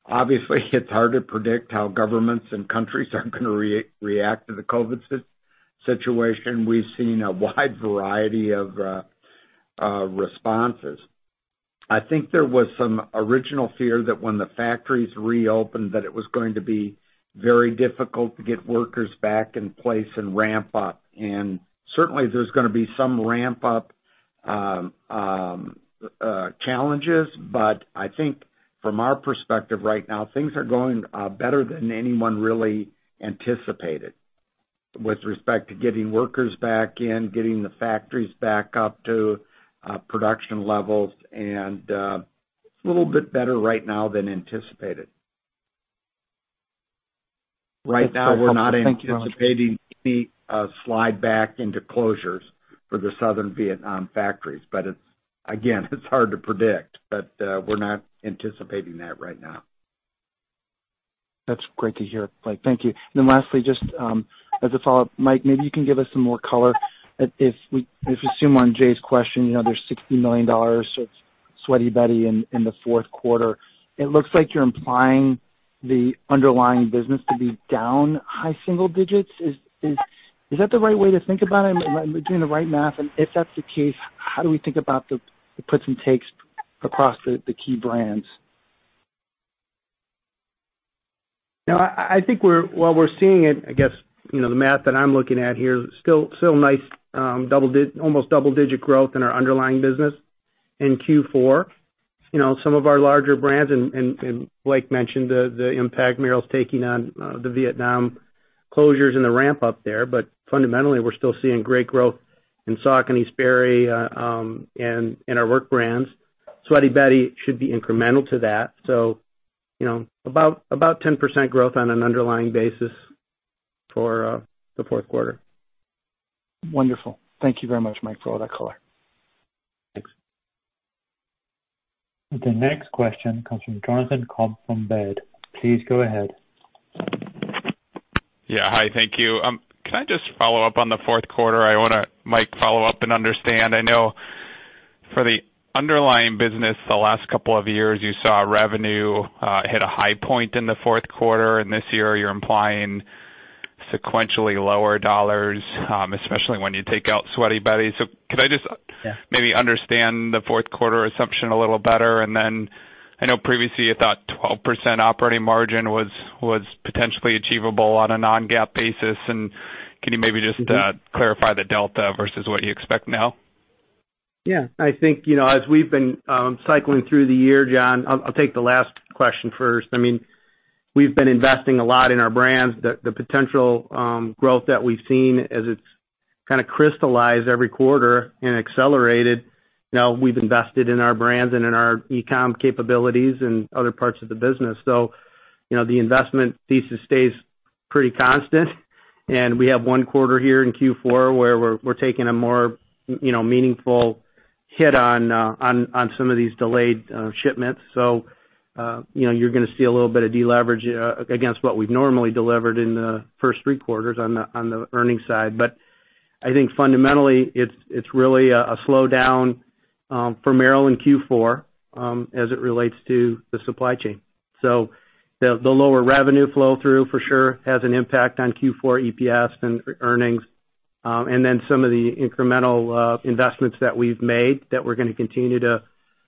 Obviously, it's hard to predict how governments and countries are gonna react to the COVID situation. We've seen a wide variety of responses. I think there was some original fear that when the factories reopened, that it was going to be very difficult to get workers back in place and ramp up. Certainly there's gonna be some ramp up challenges. I think from our perspective right now, things are going better than anyone really anticipated with respect to getting workers back in, getting the factories back up to production levels, and it's a little bit better right now than anticipated. That's very helpful. Thank you, Blake. Right now, we're not anticipating any slide back into closures for the southern Vietnam factories. It's, again, hard to predict, but we're not anticipating that right now. That's great to hear, Blake. Thank you. Then lastly, just as a follow-up, Mike, maybe you can give us some more color. If we assume on Jay's question, you know, there's $60 million of Sweaty Betty in the fourth quarter, it looks like you're implying the underlying business to be down high single digits. Is that the right way to think about it? Am I doing the right math? And if that's the case, how do we think about the puts and takes across the key brands? No, I think we're seeing, I guess, you know, the math that I'm looking at here, still nice almost double-digit growth in our underlying business in Q4. You know, some of our larger brands and Blake mentioned the impact Merrell's taking on the Vietnam closures and the ramp up there. But fundamentally, we're still seeing great growth in Saucony, Sperry, and in our work brands. Sweaty Betty should be incremental to that. You know, about 10% growth on an underlying basis for the fourth quarter. Wonderful. Thank you very much, Mike, for all that color. Thanks. The next question comes from Jonathan Komp from Baird. Please go ahead. Yeah. Hi, thank you. Can I just follow up on the fourth quarter? I wanna, Mike, follow up and understand. For the underlying business the last couple of years, you saw revenue hit a high point in the fourth quarter, and this year you're implying sequentially lower dollars, especially when you take out Sweaty Betty. Could I just- Yeah. Maybe understand the fourth quarter assumption a little better? Then I know previously you thought 12% operating margin was potentially achievable on a non-GAAP basis. Can you maybe just- Mm-hmm. Clarify the delta versus what you expect now? Yeah. I think, you know, as we've been cycling through the year, Jon, I'll take the last question first. I mean, we've been investing a lot in our brands. The potential growth that we've seen as it's kinda crystallized every quarter and accelerated. Now we've invested in our brands and in our e-commerce capabilities and other parts of the business. You know, the investment thesis stays pretty constant. We have one quarter here in Q4 where we're taking a more meaningful hit on some of these delayed shipments. You know, you're gonna see a little bit of de-leverage against what we've normally delivered in the first three quarters on the earnings side. I think fundamentally it's really a slowdown for Merrell in Q4 as it relates to the supply chain. The lower revenue flow through for sure has an impact on Q4 EPS and earnings. Some of the incremental investments that we've made that we're gonna continue to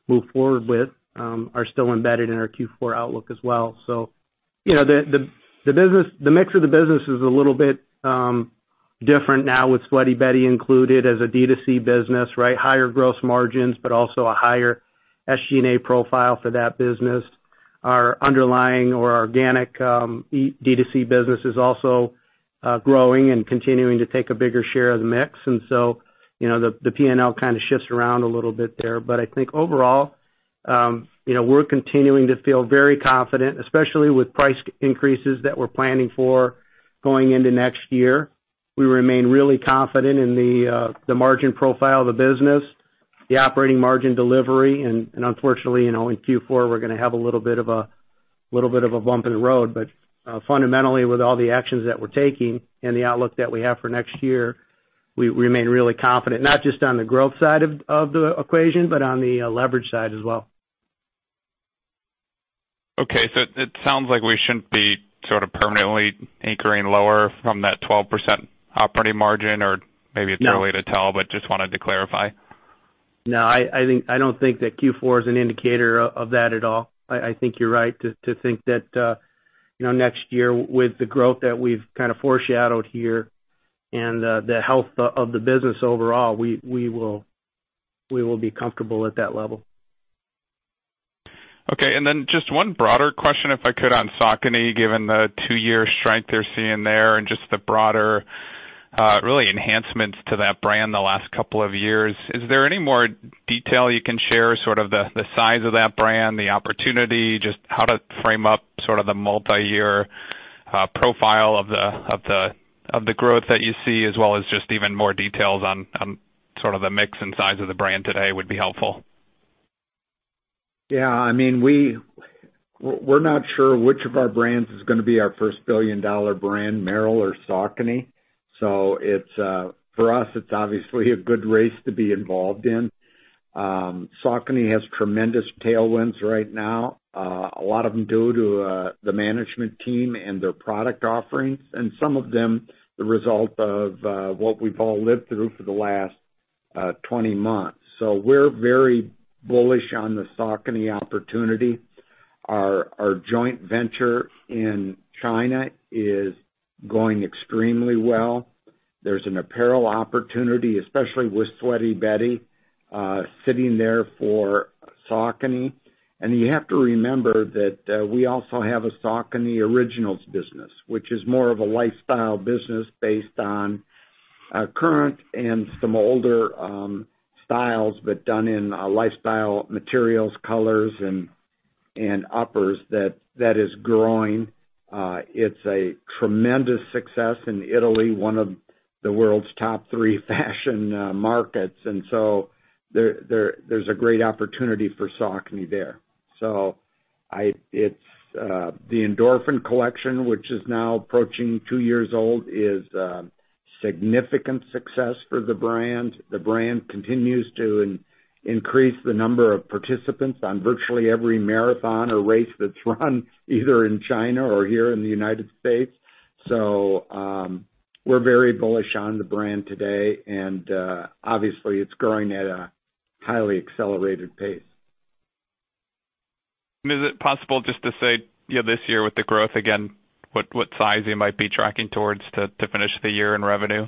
move forward with are still embedded in our Q4 outlook as well. You know, the mix of the business is a little bit different now with Sweaty Betty included as a DTC business, right? Higher gross margins, but also a higher SG&A profile for that business. Our underlying or organic DTC business is also growing and continuing to take a bigger share of the mix. You know, the P&L kind of shifts around a little bit there. I think overall, you know, we're continuing to feel very confident, especially with price increases that we're planning for going into next year. We remain really confident in the margin profile of the business, the operating margin delivery. Unfortunately, you know, in Q4, we're gonna have a little bit of a bump in the road. Fundamentally, with all the actions that we're taking and the outlook that we have for next year, we remain really confident, not just on the growth side of the equation, but on the leverage side as well. It sounds like we shouldn't be sort of permanently anchoring lower from that 12% operating margin or maybe- No.... It's early to tell, but just wanted to clarify. No, I don't think that Q4 is an indicator of that at all. I think you're right to think that, you know, next year with the growth that we've kind of foreshadowed here and the health of the business overall, we will be comfortable at that level. Okay. Just one broader question, if I could, on Saucony, given the two-year strength you're seeing there and just the broader, really enhancements to that brand the last couple of years. Is there any more detail you can share sort of the size of that brand, the opportunity, just how to frame up sort of the multi-year profile of the growth that you see, as well as just even more details on sort of the mix and size of the brand today would be helpful. Yeah. I mean, we're not sure which of our brands is gonna be our first billion-dollar brand, Merrell or Saucony. It's for us, it's obviously a good race to be involved in. Saucony has tremendous tailwinds right now, a lot of them due to the management team and their product offerings, and some of them the result of what we've all lived through for the last 20 months. We're very bullish on the Saucony opportunity. Our joint venture in China is going extremely well. There's an apparel opportunity, especially with Sweaty Betty, sitting there for Saucony. You have to remember that we also have a Saucony Originals business, which is more of a lifestyle business based on current and some older styles, but done in lifestyle materials, colors, and uppers that is growing. It's a tremendous success in Italy, one of the world's top three fashion markets. There's a great opportunity for Saucony there. It's the Endorphin collection, which is now approaching two years old, is a significant success for the brand. The brand continues to increase the number of participants in virtually every marathon or race that's run either in China or here in the United States. We're very bullish on the brand today, and obviously it's growing at a highly accelerated pace. Is it possible just to say, you know, this year with the growth again, what size you might be tracking towards to finish the year in revenue?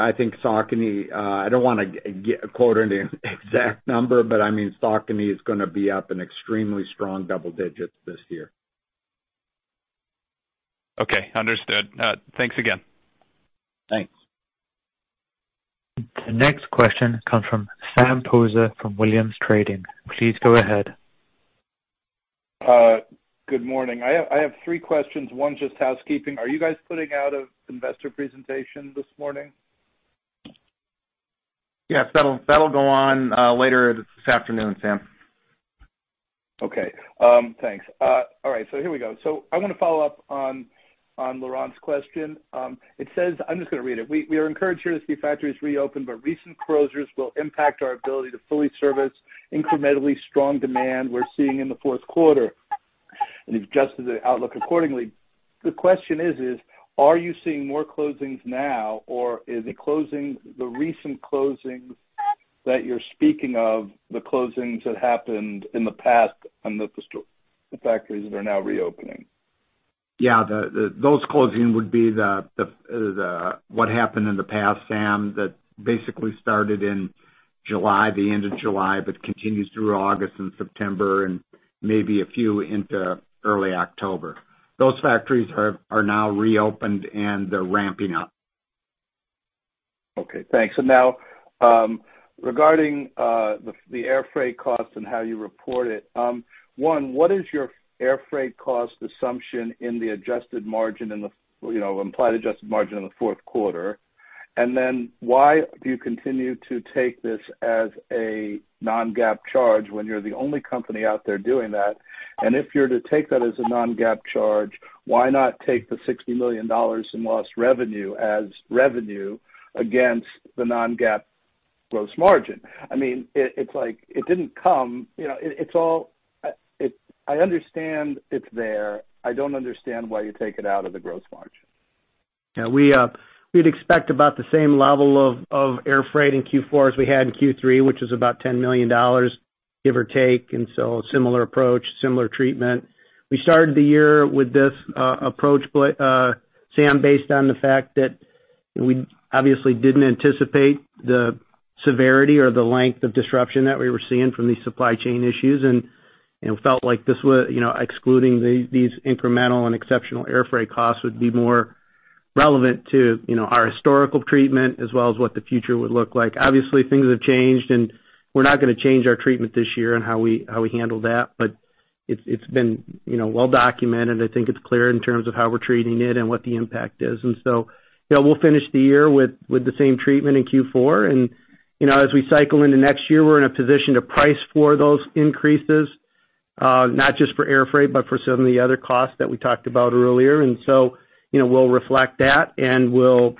I think Saucony, I don't want to quote any exact number, but I mean, Saucony is gonna be up in extremely strong double digits this year. Okay. Understood. Thanks again. Thanks. The next question comes from Sam Poser from Williams Trading. Please go ahead. Good morning. I have three questions. One, just housekeeping. Are you guys putting out an investor presentation this morning? Yes, that'll go on later this afternoon, Sam. Okay. Thanks. All right, here we go. I want to follow up on Laurent's question. It says. I'm just going to read it. We are encouraged to see factories reopen, but recent closures will impact our ability to fully service incrementally strong demand we're seeing in the fourth quarter, and we've adjusted the outlook accordingly. The question is, are you seeing more closings now, or are the recent closings that you're speaking of the closings that happened in the past and that the factories are now reopening? Yeah, those closings would be what happened in the past, Sam, that basically started in July, the end of July, but continues through August and September and maybe a few into early October. Those factories are now reopened, and they're ramping up. Okay, thanks. Now, regarding the air freight costs and how you report it, what is your air freight cost assumption in the adjusted margin, you know, implied adjusted margin in the fourth quarter? Why do you continue to take this as a non-GAAP charge when you're the only company out there doing that? If you're to take that as a non-GAAP charge, why not take the $60 million in lost revenue as revenue against the non-GAAP gross margin? I mean, it's like it didn't come. You know, it's all it. I understand it's there. I don't understand why you take it out of the gross margin. Yeah, we'd expect about the same level of air freight in Q4 as we had in Q3, which is about $10 million, give or take, and so similar approach, similar treatment. We started the year with this approach, Sam, based on the fact that we obviously didn't anticipate the severity or the length of disruption that we were seeing from these supply chain issues and, you know, felt like this, you know, excluding these incremental and exceptional air freight costs would be more relevant to, you know, our historical treatment as well as what the future would look like. Obviously, things have changed, and we're not gonna change our treatment this year on how we handle that. It's been, you know, well documented. I think it's clear in terms of how we're treating it and what the impact is. You know, we'll finish the year with the same treatment in Q4. You know, as we cycle into next year, we're in a position to price for those increases, not just for air freight, but for some of the other costs that we talked about earlier. You know, we'll reflect that, and we'll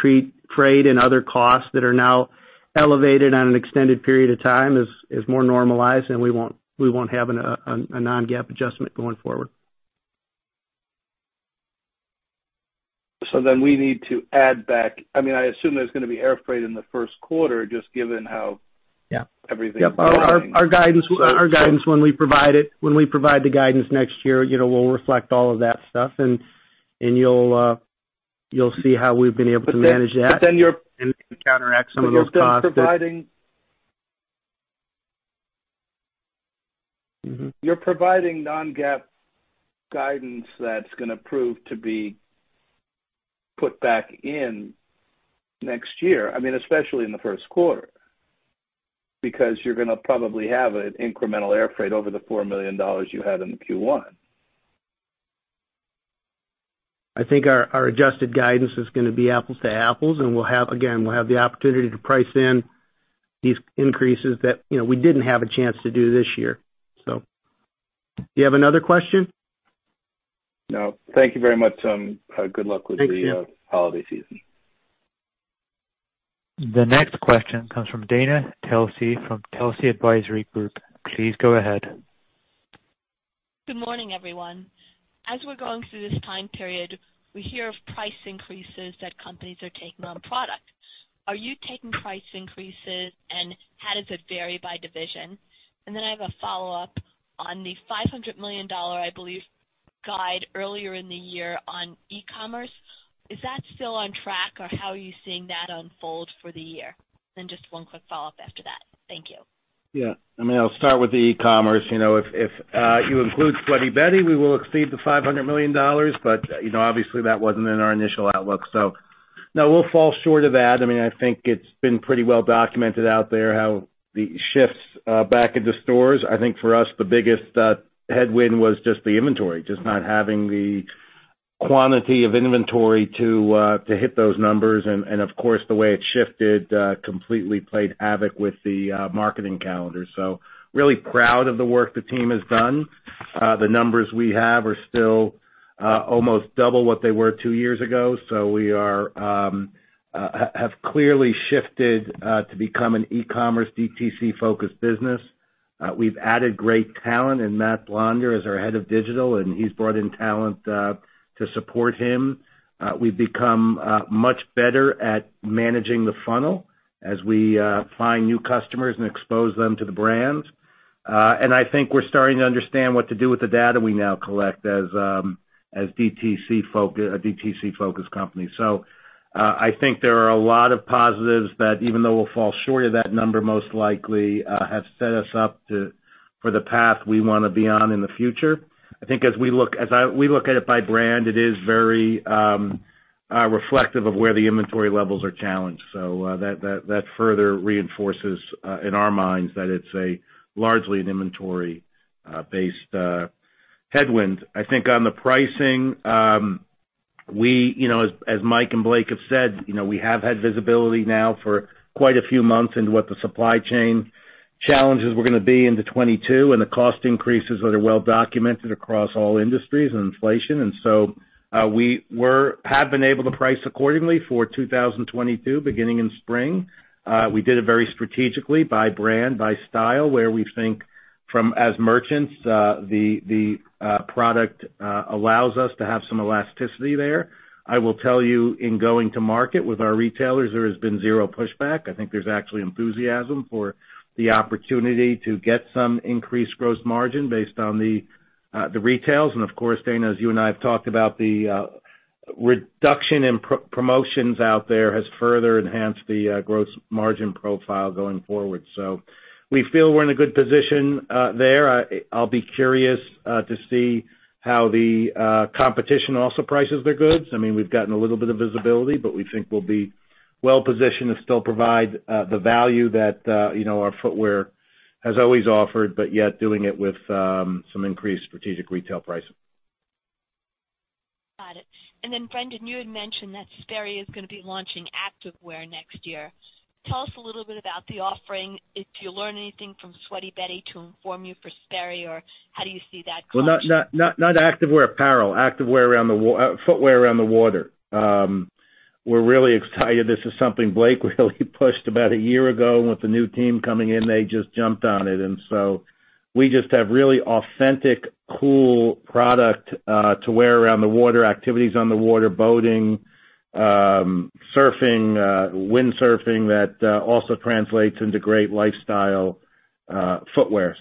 treat trade and other costs that are now elevated on an extended period of time as more normalized, and we won't have a non-GAAP adjustment going forward. We need to add back. I mean, I assume there's gonna be air freight in the first quarter, just given how. Yeah. Everything is going. Yep. Our guidance when we provide it, when we provide the guidance next year, you know, we'll reflect all of that stuff, and you'll see how we've been able to manage that... But then, but then you're- ...counteract some of those costs that... You're still providing. Mm-hmm. You're providing non-GAAP guidance that's gonna prove to be put back in next year. I mean, especially in the first quarter, because you're gonna probably have an incremental air freight over the $4 million you had in the Q1. I think our adjusted guidance is gonna be apples to apples, and we'll have, again, the opportunity to price in these increases that, you know, we didn't have a chance to do this year. Do you have another question? No. Thank you very much. Good luck with the- Thank you. ...holiday season. The next question comes from Dana Telsey from Telsey Advisory Group. Please go ahead. Good morning, everyone. We're going through this time period. We hear of price increases that companies are taking on product. Are you taking price increases, and how does it vary by division? I have a follow-up on the $500 million, I believe, guide earlier in the year on e-commerce. Is that still on track, or how are you seeing that unfold for the year? Just one quick follow-up after that. Thank you. Yeah. I mean, I'll start with the e-commerce. You know, if you include Sweaty Betty, we will exceed $500 million, but you know, obviously that wasn't in our initial outlook. No, we'll fall short of that. I mean, I think it's been pretty well documented out there how the shifts back into stores. I think for us, the biggest headwind was just the inventory, just not having the quantity of inventory to hit those numbers and of course, the way it shifted completely played havoc with the marketing calendar. Really proud of the work the team has done. The numbers we have are still almost double what they were two years ago. We have clearly shifted to become an e-commerce DTC-focused business. We've added great talent, and Matt Blonder is our Head of Digital, and he's brought in talent to support him. We've become much better at managing the funnel as we find new customers and expose them to the brand. I think we're starting to understand what to do with the data we now collect as a DTC-focused company. I think there are a lot of positives that, even though we'll fall short of that number most likely, has set us up to, for the path we wanna be on in the future. I think as we look at it by brand, it is very reflective of where the inventory levels are challenged. That further reinforces in our minds that it's a largely an inventory based headwinds. I think on the pricing, we, you know, as Mike and Blake have said, you know, we have had visibility now for quite a few months into what the supply chain challenges were gonna be into 2022, and the cost increases that are well documented across all industries and inflation. We have been able to price accordingly for 2022, beginning in spring. We did it very strategically by brand, by style, where we think from as merchants, the product allows us to have some elasticity there. I will tell you, in going to market with our retailers, there has been zero pushback. I think there's actually enthusiasm for the opportunity to get some increased gross margin based on the retails. Of course, Dana, as you and I have talked about the reduction in promotions out there has further enhanced the gross margin profile going forward. We feel we're in a good position there. I'll be curious to see how the competition also prices their goods. I mean, we've gotten a little bit of visibility, but we think we'll be well positioned to still provide the value that you know, our footwear has always offered, but yet doing it with some increased strategic retail pricing. Got it. Brendan, you had mentioned that Sperry is gonna be launching activewear next year. Tell us a little bit about the offering. Did you learn anything from Sweaty Betty to inform you for Sperry, or how do you see that crossing? Well, not activewear apparel, footwear around the water. We're really excited. This is something Blake really pushed about a year ago, and with the new team coming in, they just jumped on it. We just have really authentic, cool product to wear around the water, activities on the water, boating, surfing, windsurfing that also translates into great lifestyle footwear.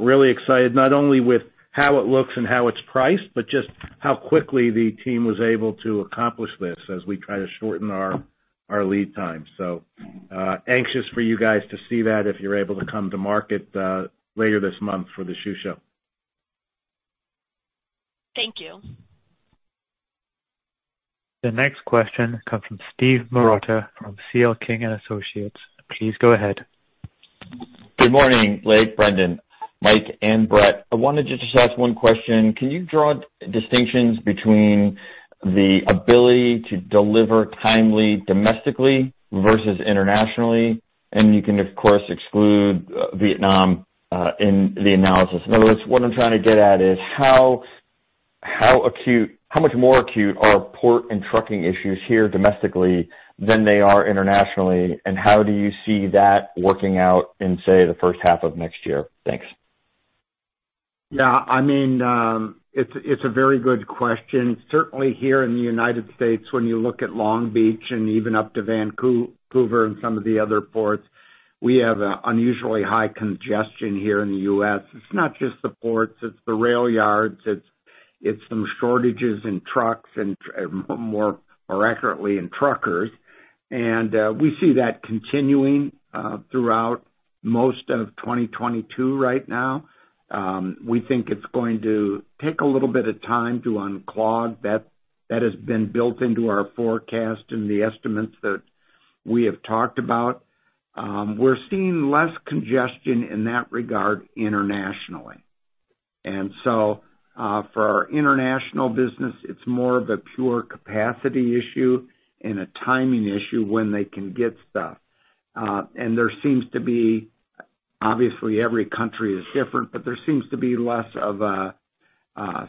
Really excited, not only with how it looks and how it's priced, but just how quickly the team was able to accomplish this as we try to shorten our lead time. Anxious for you guys to see that if you're able to come to market later this month for the shoe show. Thank you. The next question comes from Steve Marotta from C.L. King & Associates. Please go ahead. Good morning, Blake, Brendan, Mike, and Brett. I wanted to just ask one question. Can you draw distinctions between the ability to deliver timely domestically versus internationally? You can, of course, exclude Vietnam in the analysis. In other words, what I'm trying to get at is how much more acute are port and trucking issues here domestically than they are internationally, and how do you see that working out in, say, the first half of next year? Thanks. Yeah. I mean, it's a very good question. Certainly here in the United States, when you look at Long Beach and even up to Vancouver and some of the other ports, we have an unusually high congestion here in the U.S. It's not just the ports, it's the rail yards, it's some shortages in trucks and more accurately, in truckers. We see that continuing throughout most of 2022 right now. We think it's going to take a little bit of time to unclog. That has been built into our forecast and the estimates that we have talked about. We're seeing less congestion in that regard internationally. For our international business, it's more of a pure capacity issue and a timing issue when they can get stuff. There seems to be, obviously, every country is different, but there seems to be less of a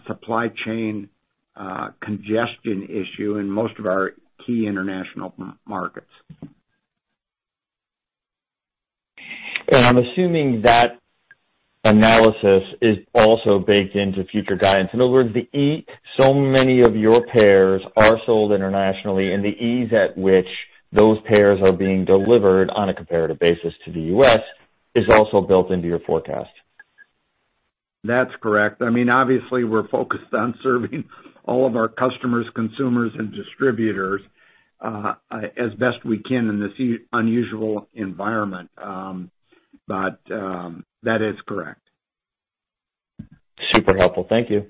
supply chain congestion issue in most of our key international markets. I'm assuming that analysis is also baked into future guidance. In other words, so many of your pairs are sold internationally and the ease at which those pairs are being delivered on a comparative basis to the U.S. is also built into your forecast. That's correct. I mean, obviously we're focused on serving all of our customers, consumers, and distributors, as best we can in this unusual environment. That is correct. Super helpful. Thank you.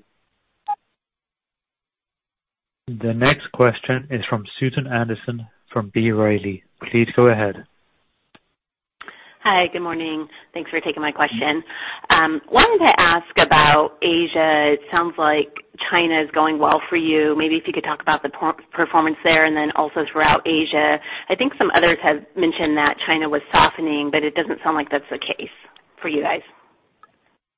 The next question is from Susan Anderson from B. Riley. Please go ahead. Hi, good morning. Thanks for taking my question. Wanted to ask about Asia. It sounds like China is going well for you. Maybe if you could talk about the performance there and then also throughout Asia. I think some others have mentioned that China was softening, but it doesn't sound like that's the case for you guys.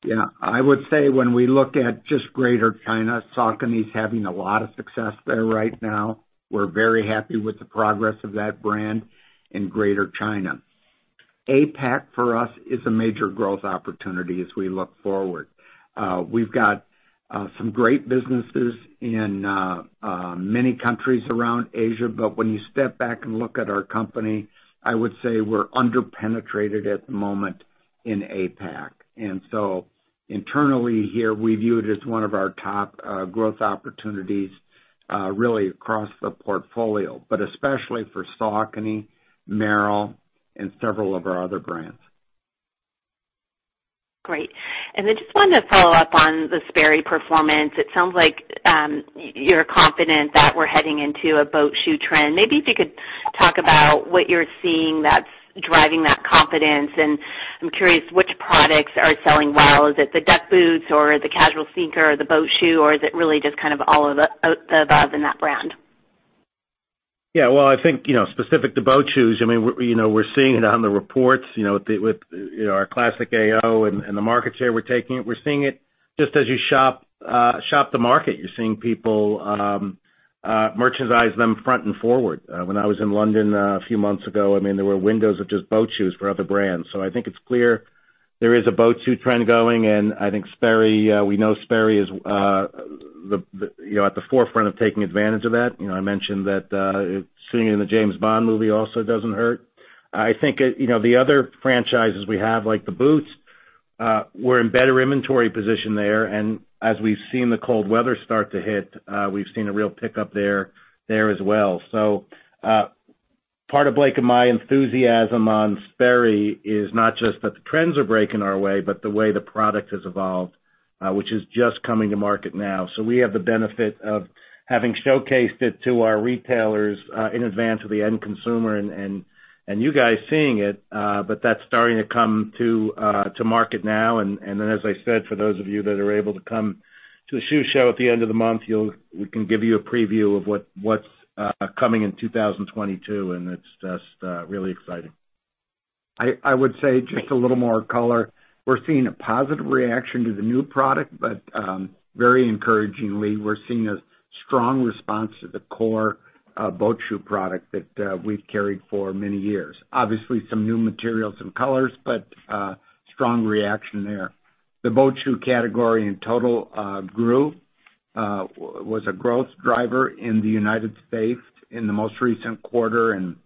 Yeah. I would say when we look at just Greater China, Saucony's having a lot of success there right now. We're very happy with the progress of that brand in Greater China. APAC for us is a major growth opportunity as we look forward. We've got some great businesses in many countries around Asia, but when you step back and look at our company, I would say we're under-penetrated at the moment in APAC. Internally here, we view it as one of our top growth opportunities, really across the portfolio, but especially for Saucony, Merrell, and several of our other brands. Great. I just wanted to follow up on the Sperry performance. It sounds like you're confident that we're heading into a boat shoe trend. Maybe if you could talk about what you're seeing that's driving that confidence. I'm curious which products are selling well. Is it the duck boots or the casual sneaker or the boat shoe? Or is it really just kind of all of the above in that brand? Yeah. Well, I think, you know, specific to boat shoes, I mean, we're, you know, we're seeing it on the reports, you know, with our classic A/O and the market share we're taking. We're seeing it just as you shop the market. You're seeing people merchandize them front and center. When I was in London a few months ago, I mean, there were windows of just boat shoes for other brands. So I think it's clear there is a boat shoe trend going. I think Sperry, we know Sperry is the forefront of taking advantage of that. You know, I mentioned that seeing it in the James Bond movie also doesn't hurt. I think, you know, the other franchises we have, like the boots, we're in better inventory position there. As we've seen the cold weather start to hit, we've seen a real pickup there as well. Part of Blake and my enthusiasm on Sperry is not just that the trends are breaking our way, but the way the product has evolved, which is just coming to market now. We have the benefit of having showcased it to our retailers, in advance of the end consumer and you guys seeing it, but that's starting to come to market now. As I said, for those of you that are able to come to the shoe show at the end of the month, we can give you a preview of what's coming in 2022, and it's just really exciting. I would say just a little more color. We're seeing a positive reaction to the new product, but, very encouragingly, we're seeing a strong response to the core boat shoe product that we've carried for many years. Obviously, some new materials and colors, but, strong reaction there. The boat shoe category in total grew, was a growth driver in the United States in the most recent quarter, and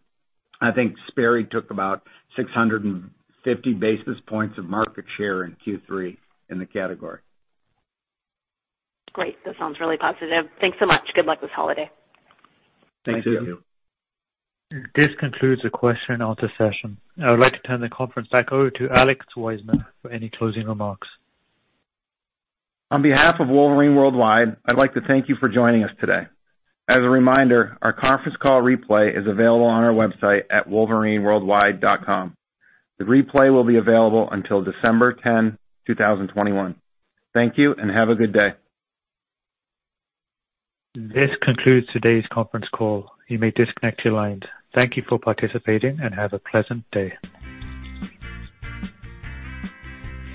I think Sperry took about 650 basis points of market share in Q3 in the category. Great. That sounds really positive. Thanks so much. Good luck this holiday. Thank you. Thank you. This concludes the question-and-answer session. I would like to turn the conference back over to Alex Wiseman for any closing remarks. On behalf of Wolverine World Wide, I'd like to thank you for joining us today. As a reminder, our conference call replay is available on our website at wolverineworldwide.com. The replay will be available until December 10, 2021. Thank you and have a good day. This concludes today's conference call. You may disconnect your lines. Thank you for participating and have a pleasant day.